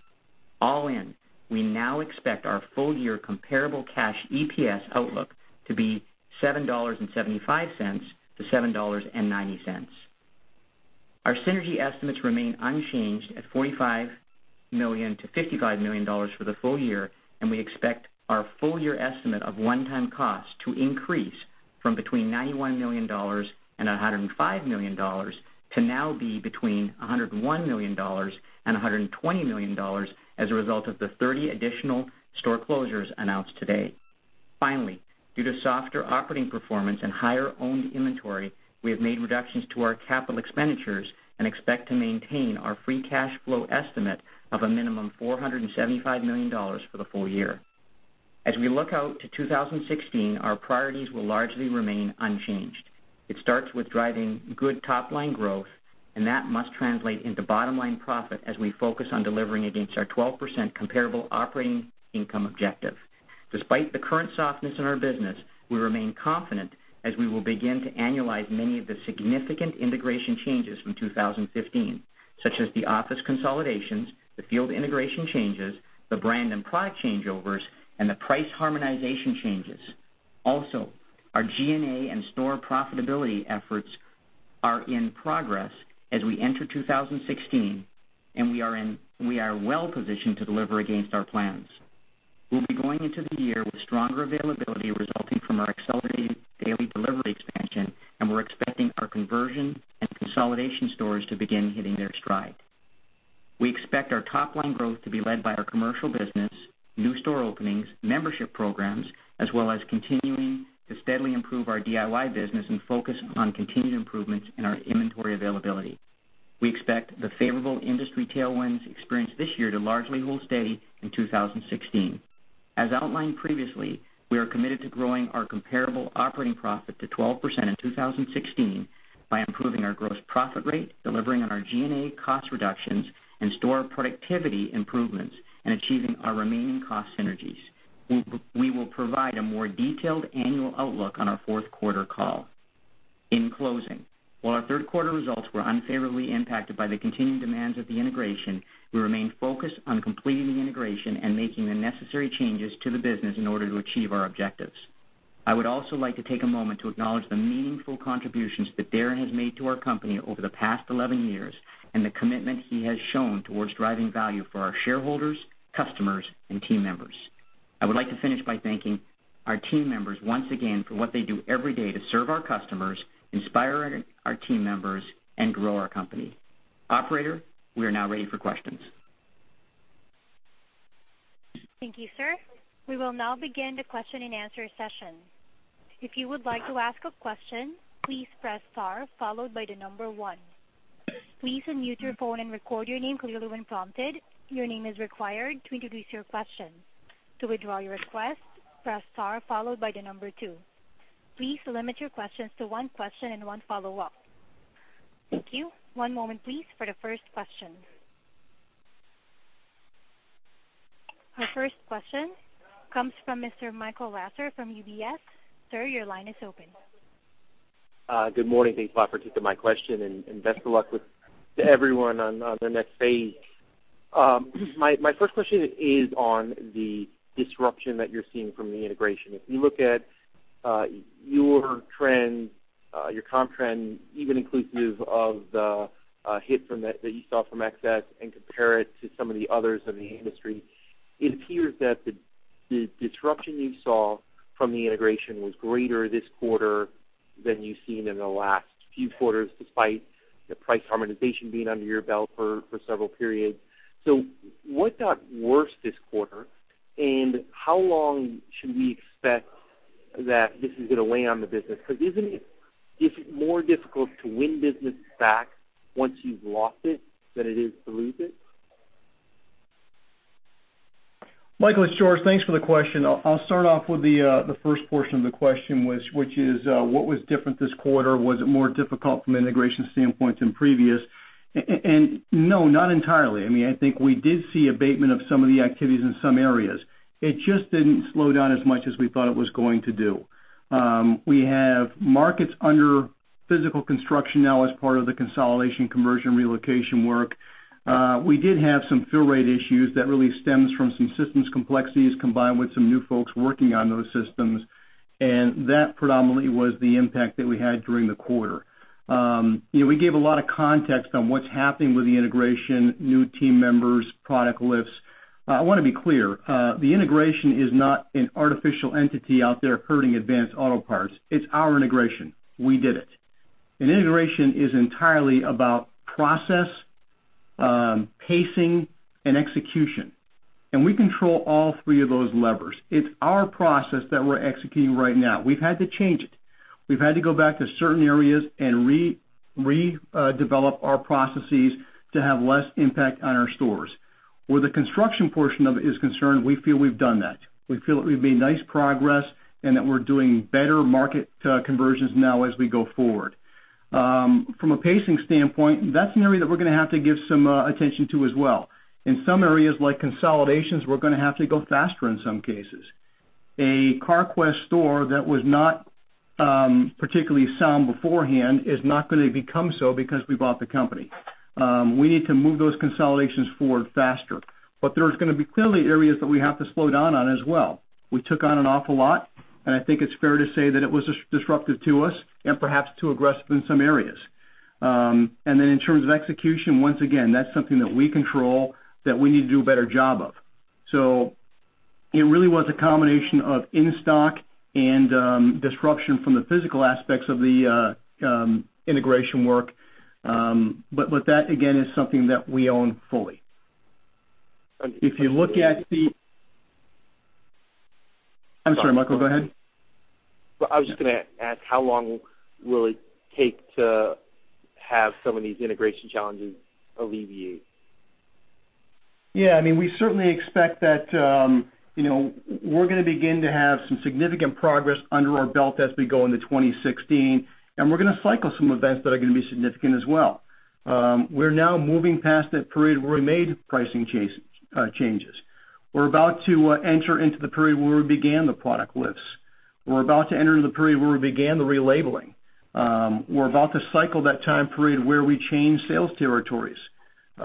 All in, we now expect our full-year comparable cash EPS outlook to be $7.75 to $7.90. Our synergy estimates remain unchanged at $45 million-$55 million for the full year. We expect our full-year estimate of one-time costs to increase from between $91 million and $105 million to now be between $101 million and $120 million as a result of the 30 additional store closures announced today. Finally, due to softer operating performance and higher owned inventory, we have made reductions to our capital expenditures and expect to maintain our free cash flow estimate of a minimum $475 million for the full year. As we look out to 2016, our priorities will largely remain unchanged. It starts with driving good top-line growth, and that must translate into bottom-line profit as we focus on delivering against our 12% comparable operating income objective. Despite the current softness in our business, we remain confident as we will begin to annualize many of the significant integration changes from 2015, such as the office consolidations, the field integration changes, the brand and product changeovers, and the price harmonization changes. Also, our G&A and store profitability efforts are in progress as we enter 2016. We are well-positioned to deliver against our plans. We'll be going into the year with stronger availability resulting from our accelerated daily delivery expansion. We're expecting our conversion and consolidation stores to begin hitting their stride. We expect our top-line growth to be led by our commercial business, new store openings, membership programs, as well as continuing to steadily improve our DIY business and focus on continued improvements in our inventory availability. We expect the favorable industry tailwinds experienced this year to largely hold steady in 2016. As outlined previously, we are committed to growing our comparable operating profit to 12% in 2016 by improving our gross profit rate, delivering on our G&A cost reductions and store productivity improvements, and achieving our remaining cost synergies. We will provide a more detailed annual outlook on our fourth quarter call. In closing, while our third quarter results were unfavorably impacted by the continuing demands of the integration, we remain focused on completing the integration and making the necessary changes to the business in order to achieve our objectives. I would also like to take a moment to acknowledge the meaningful contributions that Darren has made to our company over the past 11 years and the commitment he has shown towards driving value for our shareholders, customers, and team members. I would like to finish by thanking our team members once again for what they do every day to serve our customers, inspire our team members, and grow our company. Operator, we are now ready for questions. Thank you, sir. We will now begin the question and answer session. If you would like to ask a question, please press star followed by 1. Please unmute your phone and record your name clearly when prompted. Your name is required to introduce your question. To withdraw your request, press star followed by 2. Please limit your questions to 1 question and 1 follow-up. Thank you. One moment, please, for the first question. Our first question comes from Mr. Michael Lasser from UBS. Sir, your line is open. Good morning. Thanks a lot for taking my question and best of luck to everyone on the next phase. My first question is on the disruption that you're seeing from the integration. If you look at your trends, your comp trend, even inclusive of the hit that you saw from FX and compare it to some of the others in the industry, it appears that the disruption you saw from the integration was greater this quarter than you've seen in the last few quarters, despite the price harmonization being under your belt for several periods. What got worse this quarter, and how long should we expect that this is going to weigh on the business? Because isn't it more difficult to win business back once you've lost it, than it is to lose it? Michael, it's George. Thanks for the question. I'll start off with the first portion of the question, which is, what was different this quarter? Was it more difficult from an integration standpoint than previous? No, not entirely. I think we did see abatement of some of the activities in some areas. It just didn't slow down as much as we thought it was going to do. We have markets under physical construction now as part of the consolidation conversion relocation work. We did have some fill rate issues that really stems from some systems complexities combined with some new folks working on those systems, and that predominantly was the impact that we had during the quarter. We gave a lot of context on what's happening with the integration, new team members, product lifts. I want to be clear. The integration is not an artificial entity out there hurting Advance Auto Parts. It's our integration. We did it. Integration is entirely about process, pacing, and execution. We control all three of those levers. It's our process that we're executing right now. We've had to change it. We've had to go back to certain areas and redevelop our processes to have less impact on our stores. Where the construction portion of it is concerned, we feel we've done that. We feel that we've made nice progress and that we're doing better market conversions now as we go forward. From a pacing standpoint, that's an area that we're going to have to give some attention to as well. In some areas, like consolidations, we're going to have to go faster in some cases. A Carquest store that was not particularly sound beforehand is not going to become so because we bought the company. We need to move those consolidations forward faster. There's going to be clearly areas that we have to slow down on as well. We took on an awful lot, and I think it's fair to say that it was disruptive to us and perhaps too aggressive in some areas. In terms of execution, once again, that's something that we control that we need to do a better job of. It really was a combination of in-stock and disruption from the physical aspects of the integration work. That, again, is something that we own fully. I'm sorry, Michael, go ahead. I was just going to ask, how long will it take to have some of these integration challenges alleviate? We certainly expect that we're going to begin to have some significant progress under our belt as we go into 2016, we're going to cycle some events that are going to be significant as well. We're now moving past that period where we made pricing changes. We're about to enter into the period where we began the product lifts. We're about to enter into the period where we began the relabeling. We're about to cycle that time period where we change sales territories.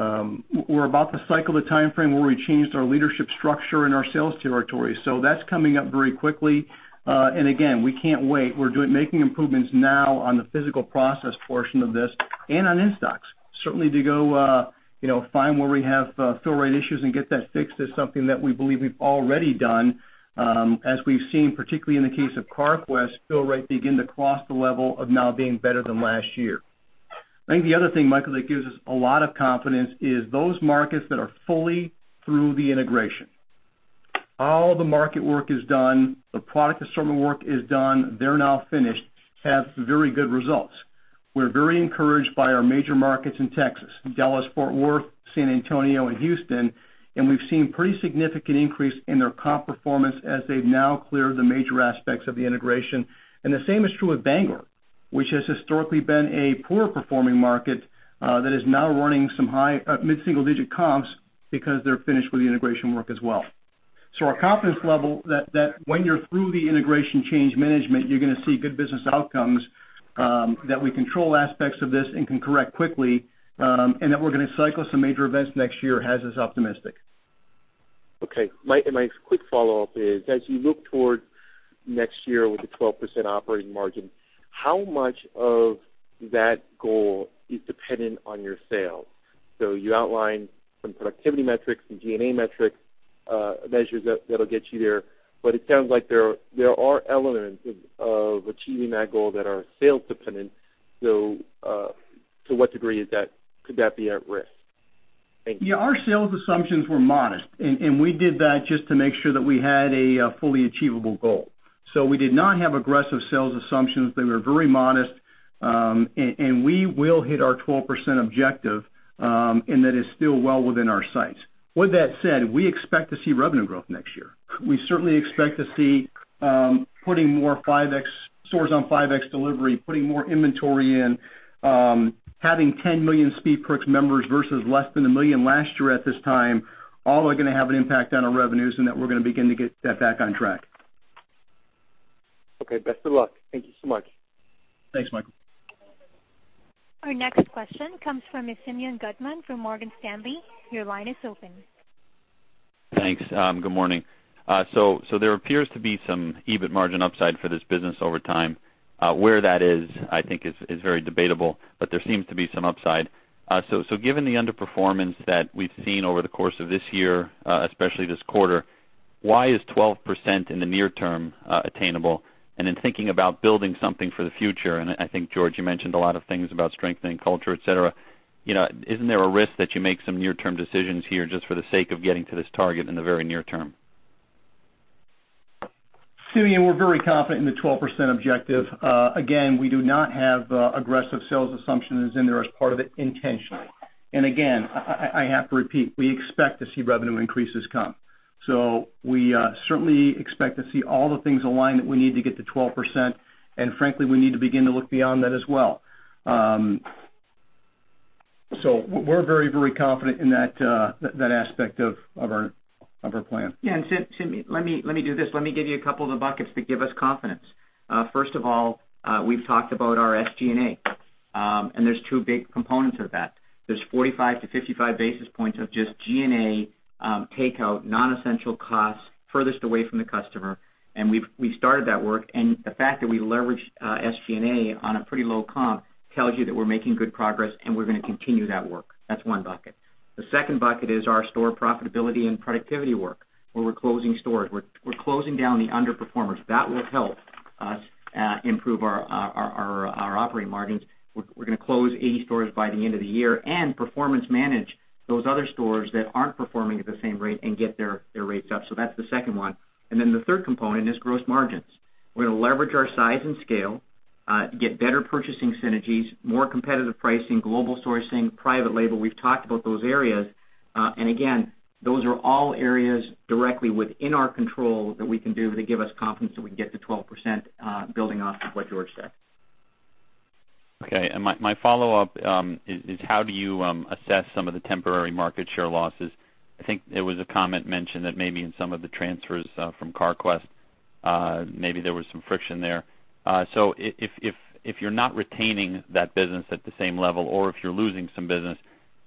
We're about to cycle the timeframe where we changed our leadership structure and our sales territories. That's coming up very quickly. Again, we can't wait. We're making improvements now on the physical process portion of this and on in-stocks. Certainly to go find where we have fill rate issues and get that fixed is something that we believe we've already done, as we've seen, particularly in the case of Carquest, fill rate begin to cross the level of now being better than last year. I think the other thing, Michael, that gives us a lot of confidence is those markets that are fully through the integration. All the market work is done, the product assortment work is done, they're now finished, have very good results. We're very encouraged by our major markets in Texas, Dallas-Fort Worth, San Antonio, and Houston, we've seen pretty significant increase in their comp performance as they've now cleared the major aspects of the integration. The same is true with Bangor, which has historically been a poor-performing market, that is now running some mid-single-digit comps because they're finished with the integration work as well. Our confidence level that when you're through the integration change management, you're going to see good business outcomes, that we control aspects of this and can correct quickly, and that we're going to cycle some major events next year, has us optimistic. Okay. My quick follow-up is, as you look toward next year with the 12% operating margin, how much of that goal is dependent on your sales? You outlined some productivity metrics, some G&A metric measures that'll get you there. It sounds like there are elements of achieving that goal that are sales dependent. To what degree could that be at risk? Thank you. Our sales assumptions were modest, and we did that just to make sure that we had a fully achievable goal. We did not have aggressive sales assumptions. They were very modest. We will hit our 12% objective, and that is still well within our sights. With that said, we expect to see revenue growth next year. We certainly expect to see putting more stores on 5X delivery, putting more inventory in, having 10 million SpeedPerks members versus less than a million last year at this time, all are going to have an impact on our revenues and that we're going to begin to get that back on track. Okay. Best of luck. Thank you so much. Thanks, Michael. Our next question comes from Simeon Gutman from Morgan Stanley. Your line is open. Thanks. Good morning. There appears to be some EBIT margin upside for this business over time. Where that is, I think, is very debatable, but there seems to be some upside. Given the underperformance that we've seen over the course of this year, especially this quarter, why is 12% in the near term attainable? In thinking about building something for the future, and I think, George, you mentioned a lot of things about strengthening culture, et cetera, isn't there a risk that you make some near-term decisions here just for the sake of getting to this target in the very near term? Simeon, we're very confident in the 12% objective. Again, we do not have aggressive sales assumptions in there as part of it intentionally. Again, I have to repeat, we expect to see revenue increases come. We certainly expect to see all the things align that we need to get to 12%, and frankly, we need to begin to look beyond that as well. We're very confident in that aspect of our plan. Yeah. Simeon, let me do this. Let me give you a couple of the buckets that give us confidence. First of all, we've talked about our SG&A, and there's two big components of that. There's 45 to 55 basis points of just G&A takeout, non-essential costs, furthest away from the customer, and we started that work. The fact that we leveraged SG&A on a pretty low comp tells you that we're making good progress, and we're going to continue that work. That's one bucket. The second bucket is our store profitability and productivity work, where we're closing stores. We're closing down the underperformers. That will help us improve our operating margins. We're going to close 80 stores by the end of the year and performance manage those other stores that aren't performing at the same rate and get their rates up. That's the second one. The third component is gross margins. We're going to leverage our size and scale, get better purchasing synergies, more competitive pricing, global sourcing, private label. We've talked about those areas, and again, those are all areas directly within our control that we can do that give us confidence that we can get to 12%, building off of what George said. Okay, my follow-up is how do you assess some of the temporary market share losses? I think there was a comment mentioned that maybe in some of the transfers from Carquest, maybe there was some friction there. If you're not retaining that business at the same level, or if you're losing some business,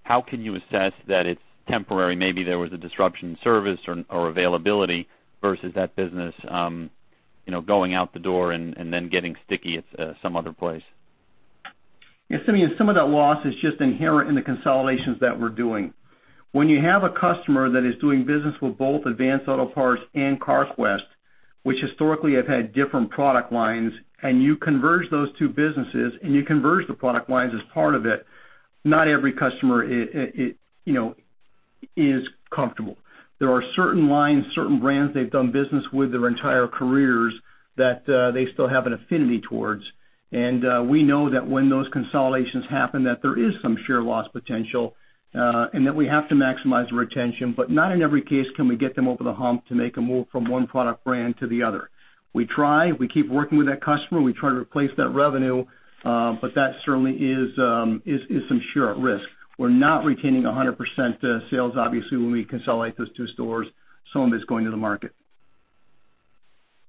how can you assess that it's temporary? Maybe there was a disruption in service or availability versus that business going out the door and then getting sticky at some other place. Yeah, Simeon, some of that loss is just inherent in the consolidations that we're doing. When you have a customer that is doing business with both Advance Auto Parts and Carquest, which historically have had different product lines, and you converge those two businesses, and you converge the product lines as part of it, not every customer is comfortable. There are certain lines, certain brands they've done business with their entire careers that they still have an affinity towards. We know that when those consolidations happen, that there is some share loss potential, and that we have to maximize the retention. Not in every case can we get them over the hump to make a move from one product brand to the other. We try. We keep working with that customer. We try to replace that revenue, but that certainly is some share at risk. We're not retaining 100% sales, obviously, when we consolidate those two stores. Some of it's going to the market.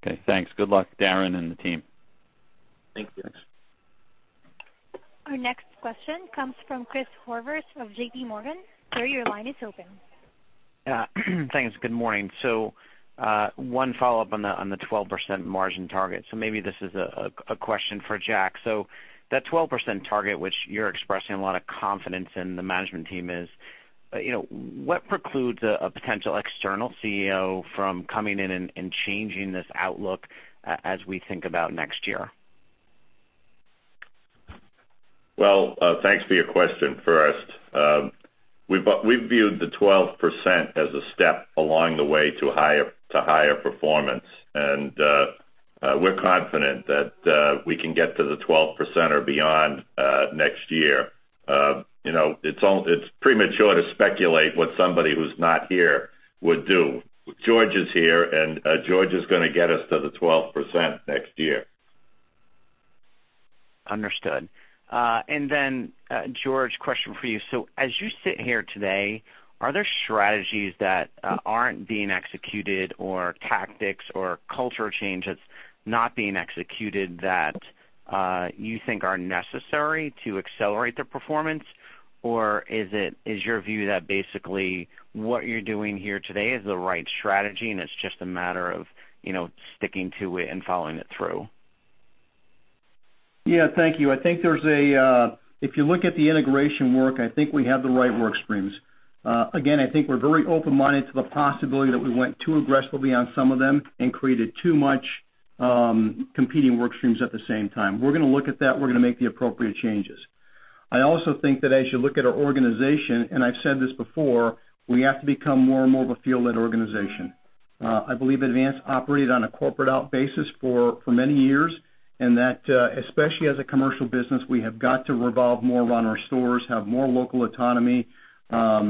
Okay, thanks. Good luck, Darren and the team. Thank you. Our next question comes from Chris Horvers of JPMorgan. Sir, your line is open. Thanks. Good morning. One follow-up on the 12% margin target. Maybe this is a question for George. That 12% target, which you're expressing a lot of confidence in, the management team is. What precludes a potential external CEO from coming in and changing this outlook as we think about next year? Thanks for your question, first. We've viewed the 12% as a step along the way to higher performance, and we're confident that we can get to the 12% or beyond next year. It's premature to speculate what somebody who's not here would do. George is here, and George is going to get us to the 12% next year. Understood. George, question for you. As you sit here today, are there strategies that aren't being executed, or tactics or culture change that's not being executed that you think are necessary to accelerate the performance? Or is your view that basically what you're doing here today is the right strategy, and it's just a matter of sticking to it and following it through? Yeah. Thank you. If you look at the integration work, I think we have the right work streams. Again, I think we're very open-minded to the possibility that we went too aggressively on some of them and created too much competing work streams at the same time. We're going to look at that, we're going to make the appropriate changes. I also think that as you look at our organization, and I've said this before, we have to become more and more of a field-led organization. I believe Advance operated on a corporate-out basis for many years, and that, especially as a commercial business, we have got to revolve more around our stores, have more local autonomy, have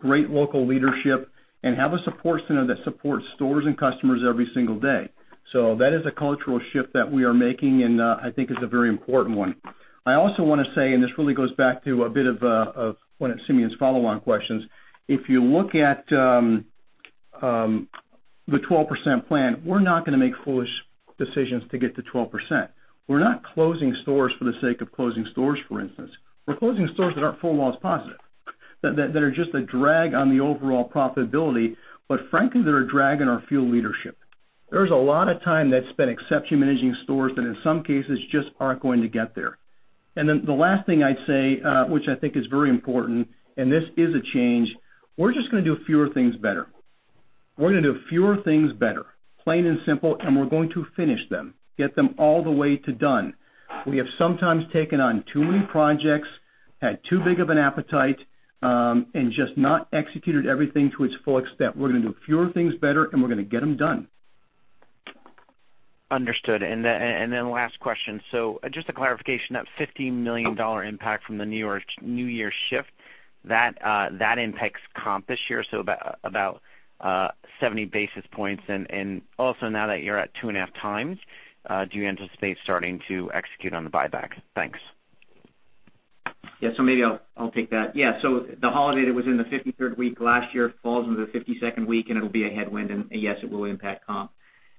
great local leadership, and have a support center that supports stores and customers every single day. That is a cultural shift that we are making, and I think is a very important one. I also want to say, this really goes back to a bit of one of Simeon's follow-on questions. If you look at the 12% plan, we're not going to make foolish decisions to get to 12%. We're not closing stores for the sake of closing stores, for instance. We're closing stores that aren't full loss positive, that are just a drag on the overall profitability. Frankly, they're a drag on our field leadership. There's a lot of time that's spent exception managing stores that in some cases just aren't going to get there. The last thing I'd say, which I think is very important, and this is a change, we're just going to do fewer things better. We're going to do fewer things better, plain and simple, and we're going to finish them, get them all the way to done. We have sometimes taken on too many projects, had too big of an appetite, and just not executed everything to its full extent. We're going to do fewer things better, and we're going to get them done. Understood. Last question. Just a clarification, that $50 million impact from the New Year's shift, that impacts comp this year, about 70 basis points. Now that you're at 2.5 times, do you anticipate starting to execute on the buyback? Thanks. Maybe I'll take that. The holiday that was in the 53rd week last year falls into the 52nd week, and it'll be a headwind. Yes, it will impact comp.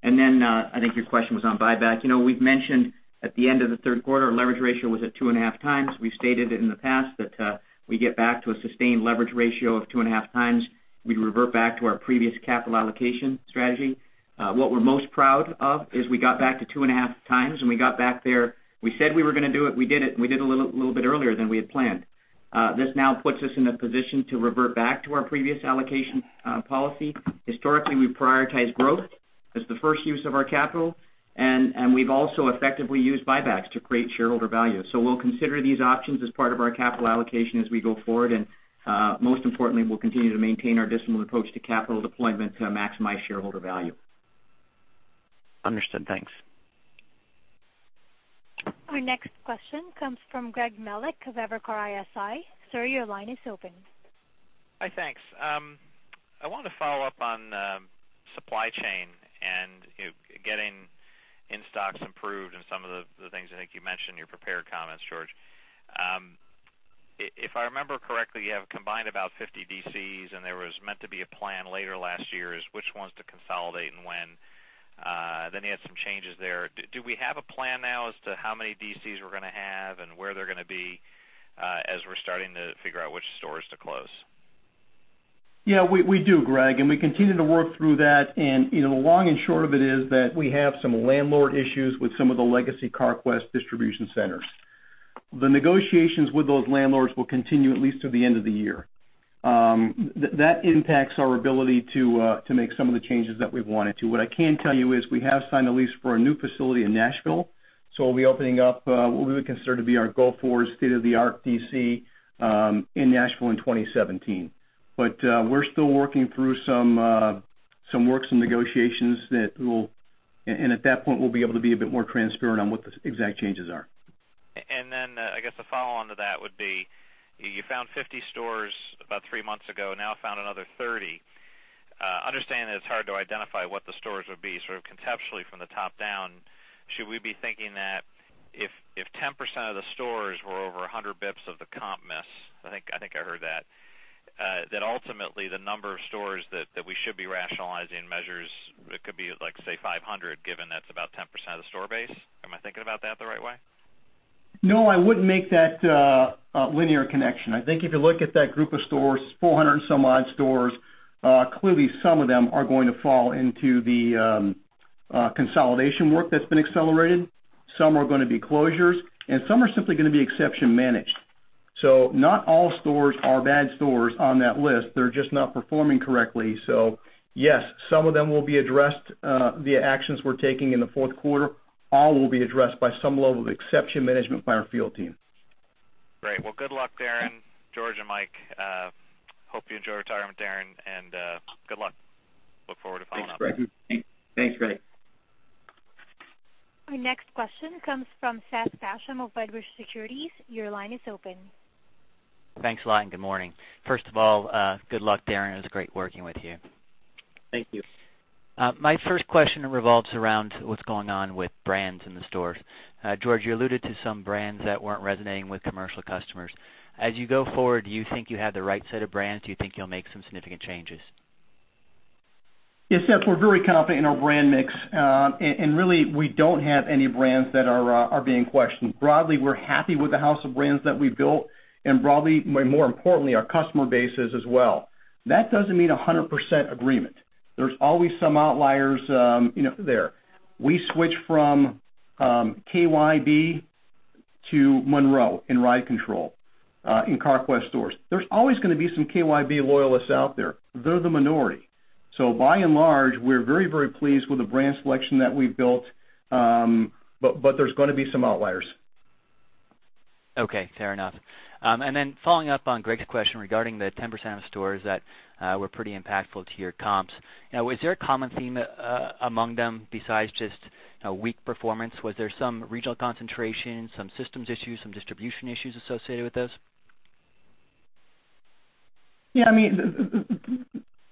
I think your question was on buyback. We've mentioned at the end of the third quarter, our leverage ratio was at 2.5 times. We've stated it in the past that we get back to a sustained leverage ratio of 2.5 times. We'd revert back to our previous capital allocation strategy. What we're most proud of is we got back to 2.5 times, and we got back there. We said we were going to do it. We did it, and we did it a little bit earlier than we had planned. This now puts us in a position to revert back to our previous allocation policy. Historically, we prioritize growth as the first use of our capital, and we've also effectively used buybacks to create shareholder value. We'll consider these options as part of our capital allocation as we go forward. Most importantly, we'll continue to maintain our disciplined approach to capital deployment to maximize shareholder value. Understood. Thanks. Our next question comes from Greg Melich of Evercore ISI. Sir, your line is open. Hi, thanks. I wanted to follow up on supply chain and getting in-stocks improved and some of the things I think you mentioned in your prepared comments, George. If I remember correctly, you have combined about 50 DCs, and there was meant to be a plan later last year as which ones to consolidate and when. You had some changes there. Do we have a plan now as to how many DCs we're going to have and where they're going to be as we're starting to figure out which stores to close? Yeah, we do, Greg. We continue to work through that. The long and short of it is that we have some landlord issues with some of the legacy Carquest distribution centers. The negotiations with those landlords will continue at least through the end of the year. That impacts our ability to make some of the changes that we've wanted to. What I can tell you is we have signed a lease for a new facility in Nashville, so we'll be opening up what we would consider to be our goal for a state-of-the-art DC in Nashville in 2017. We're still working through some works and negotiations. At that point, we'll be able to be a bit more transparent on what the exact changes are. I guess the follow-on to that would be, you found 50 stores about three months ago, now found another 30. Understanding that it's hard to identify what the stores would be, sort of conceptually from the top down, should we be thinking that if 10% of the stores were over 100 basis points of the comp miss, I think I heard that ultimately the number of stores that we should be rationalizing measures could be, say, 500, given that's about 10% of the store base. Am I thinking about that the right way? No, I wouldn't make that linear connection. I think if you look at that group of stores, 400 and some odd stores, clearly some of them are going to fall into the consolidation work that's been accelerated. Some are going to be closures, and some are simply going to be exception managed. Not all stores are bad stores on that list. They're just not performing correctly. Yes, some of them will be addressed via actions we're taking in the fourth quarter. All will be addressed by some level of exception management by our field team. Great. Well, good luck, Darren, George, and Mike. Hope you enjoy retirement, Darren, and good luck. Look forward to following up. Thanks, Greg. Thanks. Our next question comes from Seth Basham of Wedbush Securities. Your line is open. Thanks a lot, and good morning. First of all, good luck, Darren. It was great working with you. Thank you. My first question revolves around what's going on with brands in the stores. George, you alluded to some brands that weren't resonating with commercial customers. As you go forward, do you think you have the right set of brands? Do you think you'll make some significant changes? Yes, Seth, we're very confident in our brand mix. Really, we don't have any brands that are being questioned. Broadly, we're happy with the house of brands that we built, and broadly, more importantly, our customer base is as well. That doesn't mean 100% agreement. There's always some outliers there. We switched from KYB to Monroe in ride control in Carquest stores. There's always going to be some KYB loyalists out there. They're the minority. By and large, we're very pleased with the brand selection that we've built. There's going to be some outliers. Okay, fair enough. Then following up on Greg's question regarding the 10% of stores that were pretty impactful to your comps, is there a common theme among them besides just weak performance? Was there some regional concentration, some systems issues, some distribution issues associated with those? Yeah,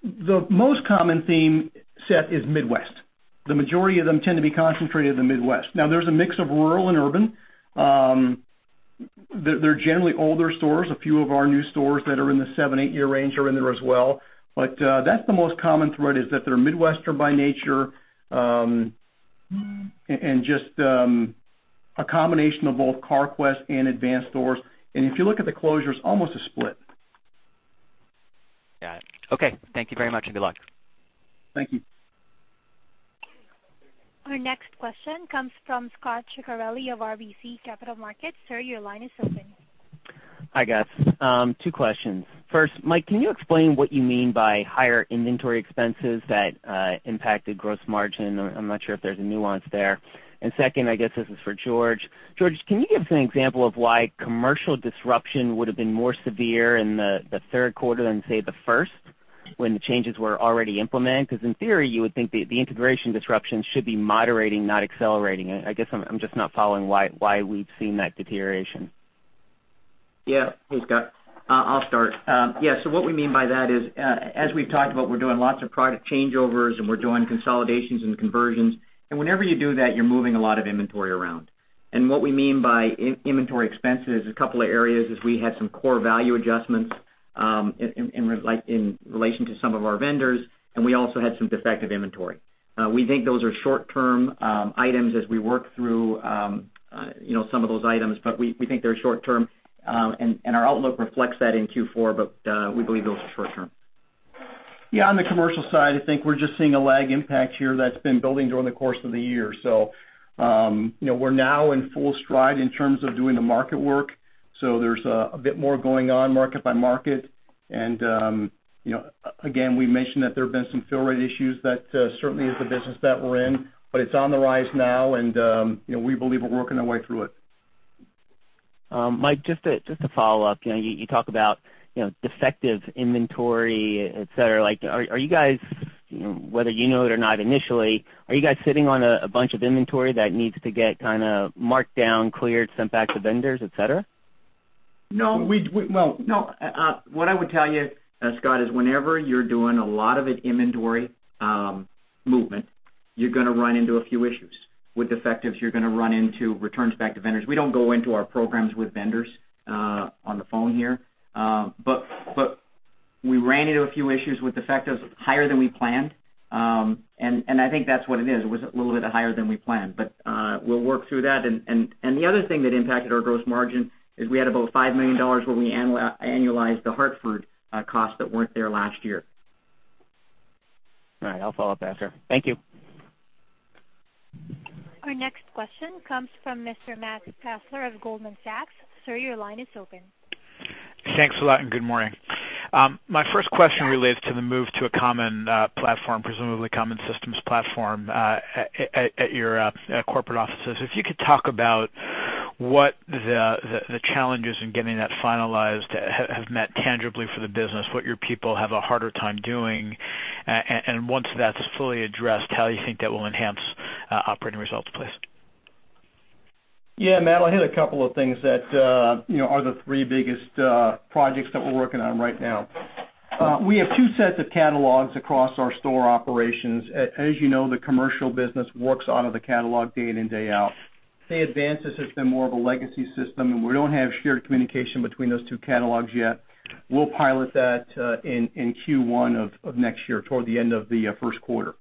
the most common theme, Seth, is Midwest. The majority of them tend to be concentrated in the Midwest. Now, there's a mix of rural and urban. They're generally older stores. A few of our new stores that are in the seven, eight-year range are in there as well. That's the most common thread, is that they're Midwestern by nature, and just a combination of both Carquest and Advance stores. If you look at the closures, almost a split. Got it. Okay. Thank you very much, and good luck. Thank you. Our next question comes from Scot Ciccarelli of RBC Capital Markets. Sir, your line is open. Hi, guys. Two questions. First, Mike, can you explain what you mean by higher inventory expenses that impacted gross margin? I'm not sure if there's a nuance there. Second, I guess this is for George. George, can you give us an example of why commercial disruption would've been more severe in the third quarter than, say, the first when the changes were already implemented? In theory, you would think the integration disruption should be moderating, not accelerating. I guess I'm just not following why we've seen that deterioration. Hey, Scot. I'll start. What we mean by that is, as we've talked about, we're doing lots of product changeovers, and we're doing consolidations and conversions. Whenever you do that, you're moving a lot of inventory around. What we mean by inventory expense is a couple of areas is we had some core value adjustments in relation to some of our vendors, and we also had some defective inventory. We think those are short-term items as we work through some of those items. We think they're short-term, and our outlook reflects that in Q4, but we believe those are short-term. On the commercial side, I think we're just seeing a lag impact here that's been building during the course of the year. We're now in full stride in terms of doing the market work. There's a bit more going on market by market. Again, we mentioned that there have been some fill rate issues. That certainly is the business that we're in, but it's on the rise now, and we believe we're working our way through it. Mike, just to follow up, you talk about defective inventory, et cetera, whether you know it or not initially, are you guys sitting on a bunch of inventory that needs to get marked down, cleared, sent back to vendors, et cetera? No. What I would tell you, Scot, is whenever you're doing a lot of inventory movement, you're going to run into a few issues. With defectives, you're going to run into returns back to vendors. We don't go into our programs with vendors on the phone here. We ran into a few issues with defectives higher than we planned. I think that's what it is. It was a little bit higher than we planned. We'll work through that. The other thing that impacted our gross margin is we had about $5 million when we annualized the Hartford costs that weren't there last year. All right. I'll follow up after. Thank you. Our next question comes from Mr. Matt Fassler of Goldman Sachs. Sir, your line is open. Thanks a lot, and good morning. My first question relates to the move to a common platform, presumably common systems platform, at your corporate offices. If you could talk about what the challenges in getting that finalized have meant tangibly for the business, what your people have a harder time doing, and once that's fully addressed, how you think that will enhance operating results, please. Yeah, Matt, I'll hit a couple of things that are the three biggest projects that we're working on right now. We have two sets of catalogs across our store operations. As you know, the commercial business works out of the catalog day in and day out. Say Advance has just been more of a legacy system, and we don't have shared communication between those two catalogs yet. We'll pilot that in Q1 of next year, toward the end of the first quarter.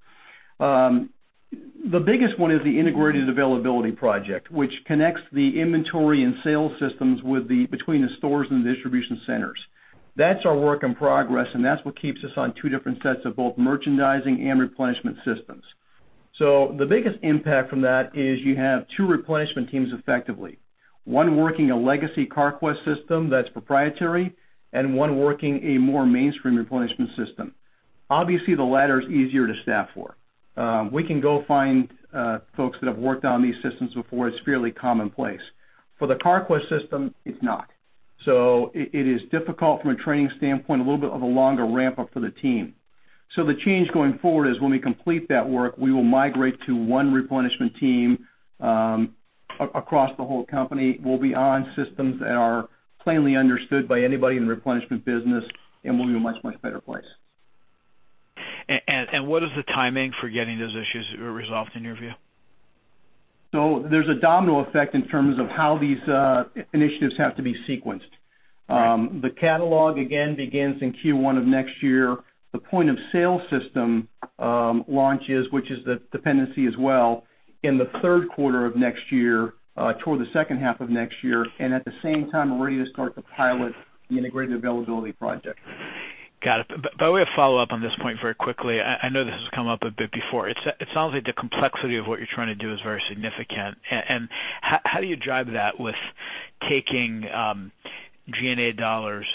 The biggest one is the integrated availability project, which connects the inventory and sales systems between the stores and distribution centers. That's our work in progress, and that's what keeps us on two different sets of both merchandising and replenishment systems. The biggest impact from that is you have two replenishment teams effectively, one working a legacy Carquest system that's proprietary, and one working a more mainstream replenishment system. Obviously, the latter is easier to staff for. We can go find folks that have worked on these systems before. It's fairly commonplace. For the Carquest system, it's not. It is difficult from a training standpoint, a little bit of a longer ramp-up for the team. The change going forward is when we complete that work, we will migrate to one replenishment team across the whole company. We'll be on systems that are plainly understood by anybody in the replenishment business, and we'll be in a much, much better place. What is the timing for getting those issues resolved in your view? There's a domino effect in terms of how these initiatives have to be sequenced. Right. The catalog, again, begins in Q1 of next year. The point-of-sale system launches, which is the dependency as well, in the third quarter of next year, toward the second half of next year. At the same time, we're ready to start to pilot the integrated availability project. Got it. By the way, a follow-up on this point very quickly. I know this has come up a bit before. It sounds like the complexity of what you're trying to do is very significant. How do you drive that with taking G&A dollars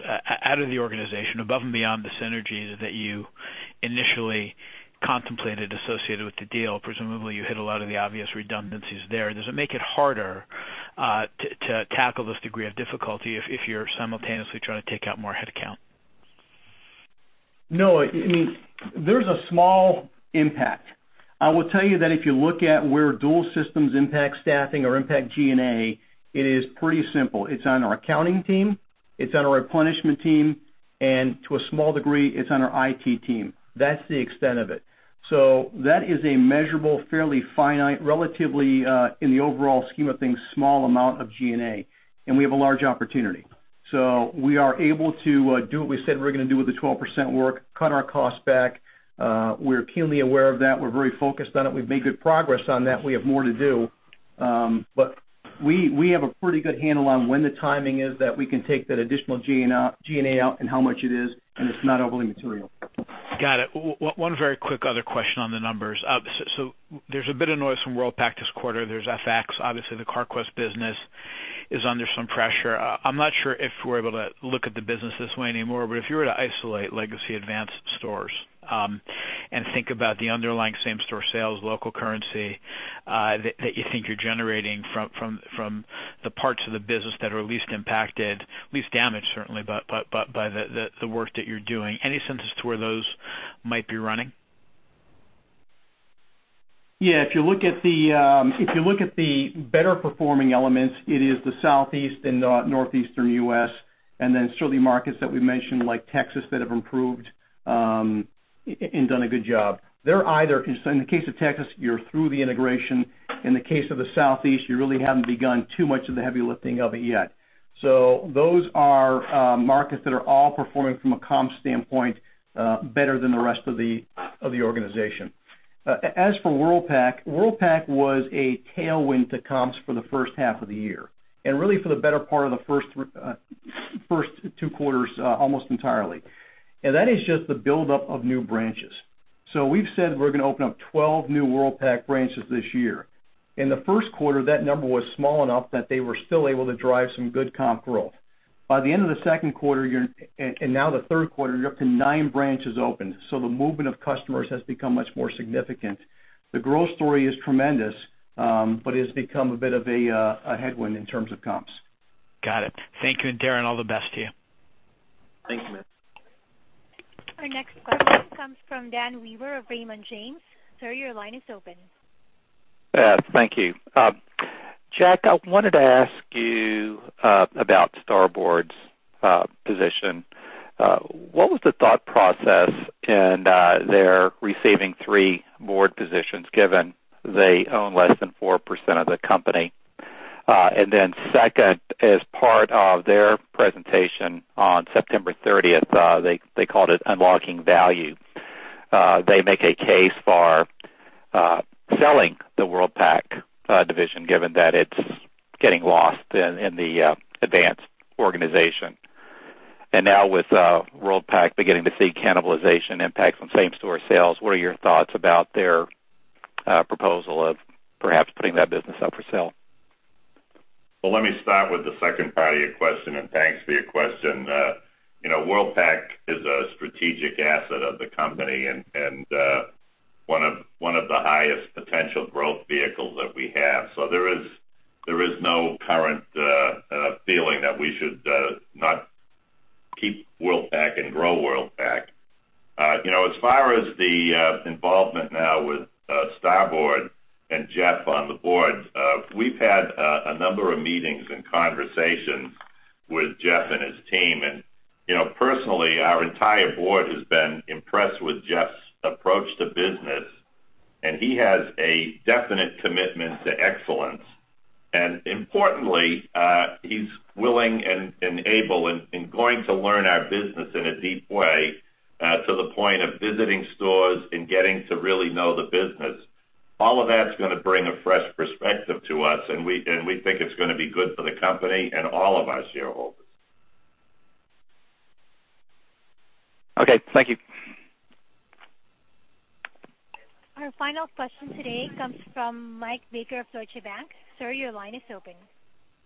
out of the organization above and beyond the synergies that you initially contemplated associated with the deal? Presumably, you hit a lot of the obvious redundancies there. Does it make it harder to tackle this degree of difficulty if you're simultaneously trying to take out more headcount? No. There's a small impact. I will tell you that if you look at where dual systems impact staffing or impact G&A, it is pretty simple. It's on our accounting team, it's on our replenishment team, and to a small degree, it's on our IT team. That's the extent of it. That is a measurable, fairly finite, relatively, in the overall scheme of things, small amount of G&A. We have a large opportunity. We are able to do what we said we're going to do with the 12% work, cut our costs back. We're keenly aware of that. We're very focused on it. We've made good progress on that. We have more to do. We have a pretty good handle on when the timing is that we can take that additional G&A out and how much it is, and it's not overly material. Got it. One very quick other question on the numbers. There's a bit of noise from Worldpac this quarter. There's FX. Obviously, the Carquest business is under some pressure. I'm not sure if we're able to look at the business this way anymore, but if you were to isolate legacy Advance stores and think about the underlying same-store sales local currency that you think you're generating from the parts of the business that are least impacted, least damaged, certainly, by the work that you're doing, any senses to where those might be running? Yeah. If you look at the better-performing elements, it is the Southeast and Northeastern U.S., and then certainly markets that we mentioned, like Texas, that have improved and done a good job. In the case of Texas, you're through the integration. In the case of the Southeast, you really haven't begun too much of the heavy lifting of it yet. Those are markets that are all performing from a comp standpoint better than the rest of the organization. As for Worldpac was a tailwind to comps for the first half of the year and really for the better part of the first two quarters almost entirely. That is just the buildup of new branches. We've said we're going to open up 12 new Worldpac branches this year. In the first quarter, that number was small enough that they were still able to drive some good comp growth. By the end of the second quarter and now the third quarter, you're up to nine branches opened. The movement of customers has become much more significant. The growth story is tremendous, but it has become a bit of a headwind in terms of comps. Got it. Thank you. Darren, all the best to you. Thanks, Matt. Our next question comes from Dan Wewer of Raymond James. Sir, your line is open. Thank you. George, I wanted to ask you about Starboard's position. What was the thought process in their receiving three board positions, given they own less than 4% of the company? Second, as part of their presentation on September 30th, they called it unlocking value. They make a case for selling the Worldpac division, given that it's getting lost in the Advance organization. With Worldpac beginning to see cannibalization impacts on same-store sales, what are your thoughts about their proposal of perhaps putting that business up for sale? Well, let me start with the second part of your question, and thanks for your question. Worldpac is a strategic asset of the company and one of the highest potential growth vehicles that we have. There is no current feeling that we should not keep Worldpac and grow Worldpac. As far as the involvement now with Starboard and Jeff on the board, we've had a number of meetings and conversations With Jeff and his team. Personally, our entire board has been impressed with Jeff's approach to business. He has a definite commitment to excellence. Importantly, he's willing and able and going to learn our business in a deep way, to the point of visiting stores and getting to really know the business. All of that's going to bring a fresh perspective to us, we think it's going to be good for the company and all of our shareholders. Okay, thank you. Our final question today comes from Michael Baker of Deutsche Bank. Sir, your line is open.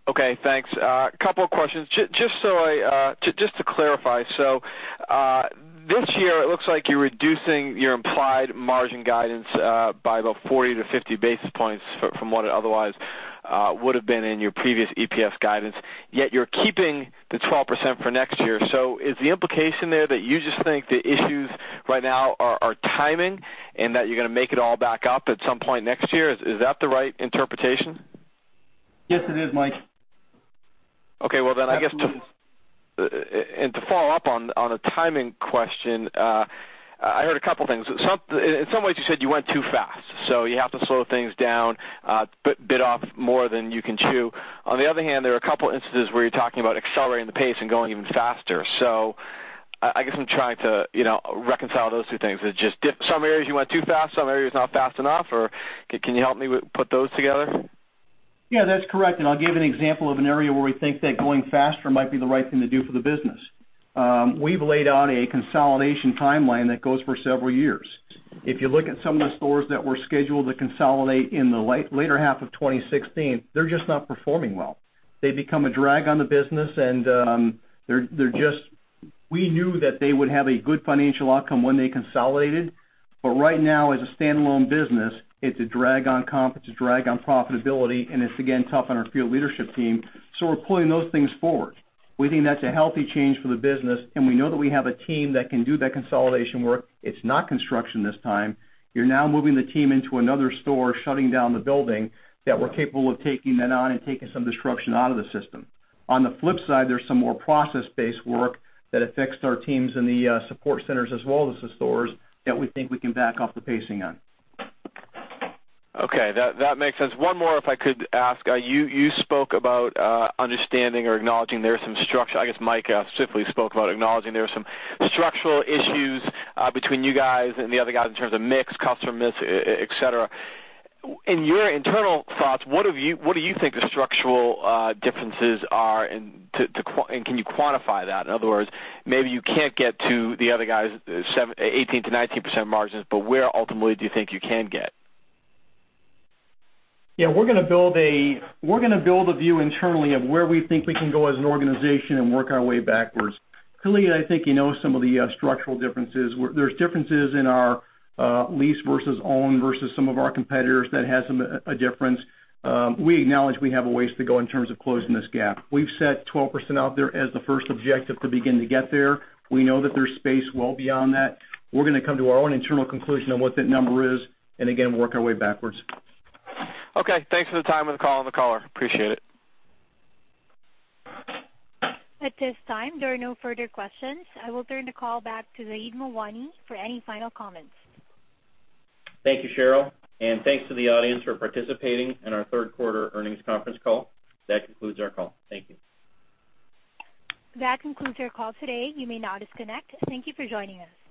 Okay, thanks. A couple of questions. Just to clarify, this year it looks like you're reducing your implied margin guidance by about 40-50 basis points from what it otherwise would have been in your previous EPS guidance, yet you're keeping the 12% for next year. Is the implication there that you just think the issues right now are timing, and that you're going to make it all back up at some point next year? Is that the right interpretation? Yes, it is, Mike. Okay. Absolutely. To follow up on a timing question. I heard a couple things. In some ways you said you went too fast, so you have to slow things down, bit off more than you can chew. On the other hand, there were a couple instances where you're talking about accelerating the pace and going even faster. I guess I'm trying to reconcile those two things. Is it just some areas you went too fast, some areas not fast enough, or can you help me put those together? That's correct, I'll give an example of an area where we think that going faster might be the right thing to do for the business. We've laid out a consolidation timeline that goes for several years. If you look at some of the stores that were scheduled to consolidate in the later half of 2016, they're just not performing well. They become a drag on the business, and we knew that they would have a good financial outcome when they consolidated. Right now, as a standalone business, it's a drag on comp, it's a drag on profitability, and it's again tough on our field leadership team. We're pulling those things forward. We think that's a healthy change for the business, and we know that we have a team that can do that consolidation work. It's not construction this time. You're now moving the team into another store, shutting down the building, that we're capable of taking that on and taking some disruption out of the system. On the flip side, there's some more process-based work that affects our teams in the support centers as well as the stores that we think we can back off the pacing on. Okay. That makes sense. One more if I could ask. You spoke about understanding or acknowledging there are some structural issues between you guys and the other guys in terms of mix, customer mix, et cetera. In your internal thoughts, what do you think the structural differences are, and can you quantify that? In other words, maybe you can't get to the other guys' 18%-19% margins, where ultimately do you think you can get? Yeah, we're going to build a view internally of where we think we can go as an organization and work our way backwards. Michael, I think you know some of the structural differences. There's differences in our lease versus own versus some of our competitors. That has a difference. We acknowledge we have a ways to go in terms of closing this gap. We've set 12% out there as the first objective to begin to get there. We know that there's space well beyond that. We're going to come to our own internal conclusion on what that number is, and again, work our way backwards. Okay. Thanks for the time on the call and the caller. Appreciate it. At this time, there are no further questions. I will turn the call back to Zaheed Mawani for any final comments. Thank you, Cheryl, and thanks to the audience for participating in our third quarter earnings conference call. That concludes our call. Thank you. That concludes our call today. You may now disconnect. Thank you for joining us.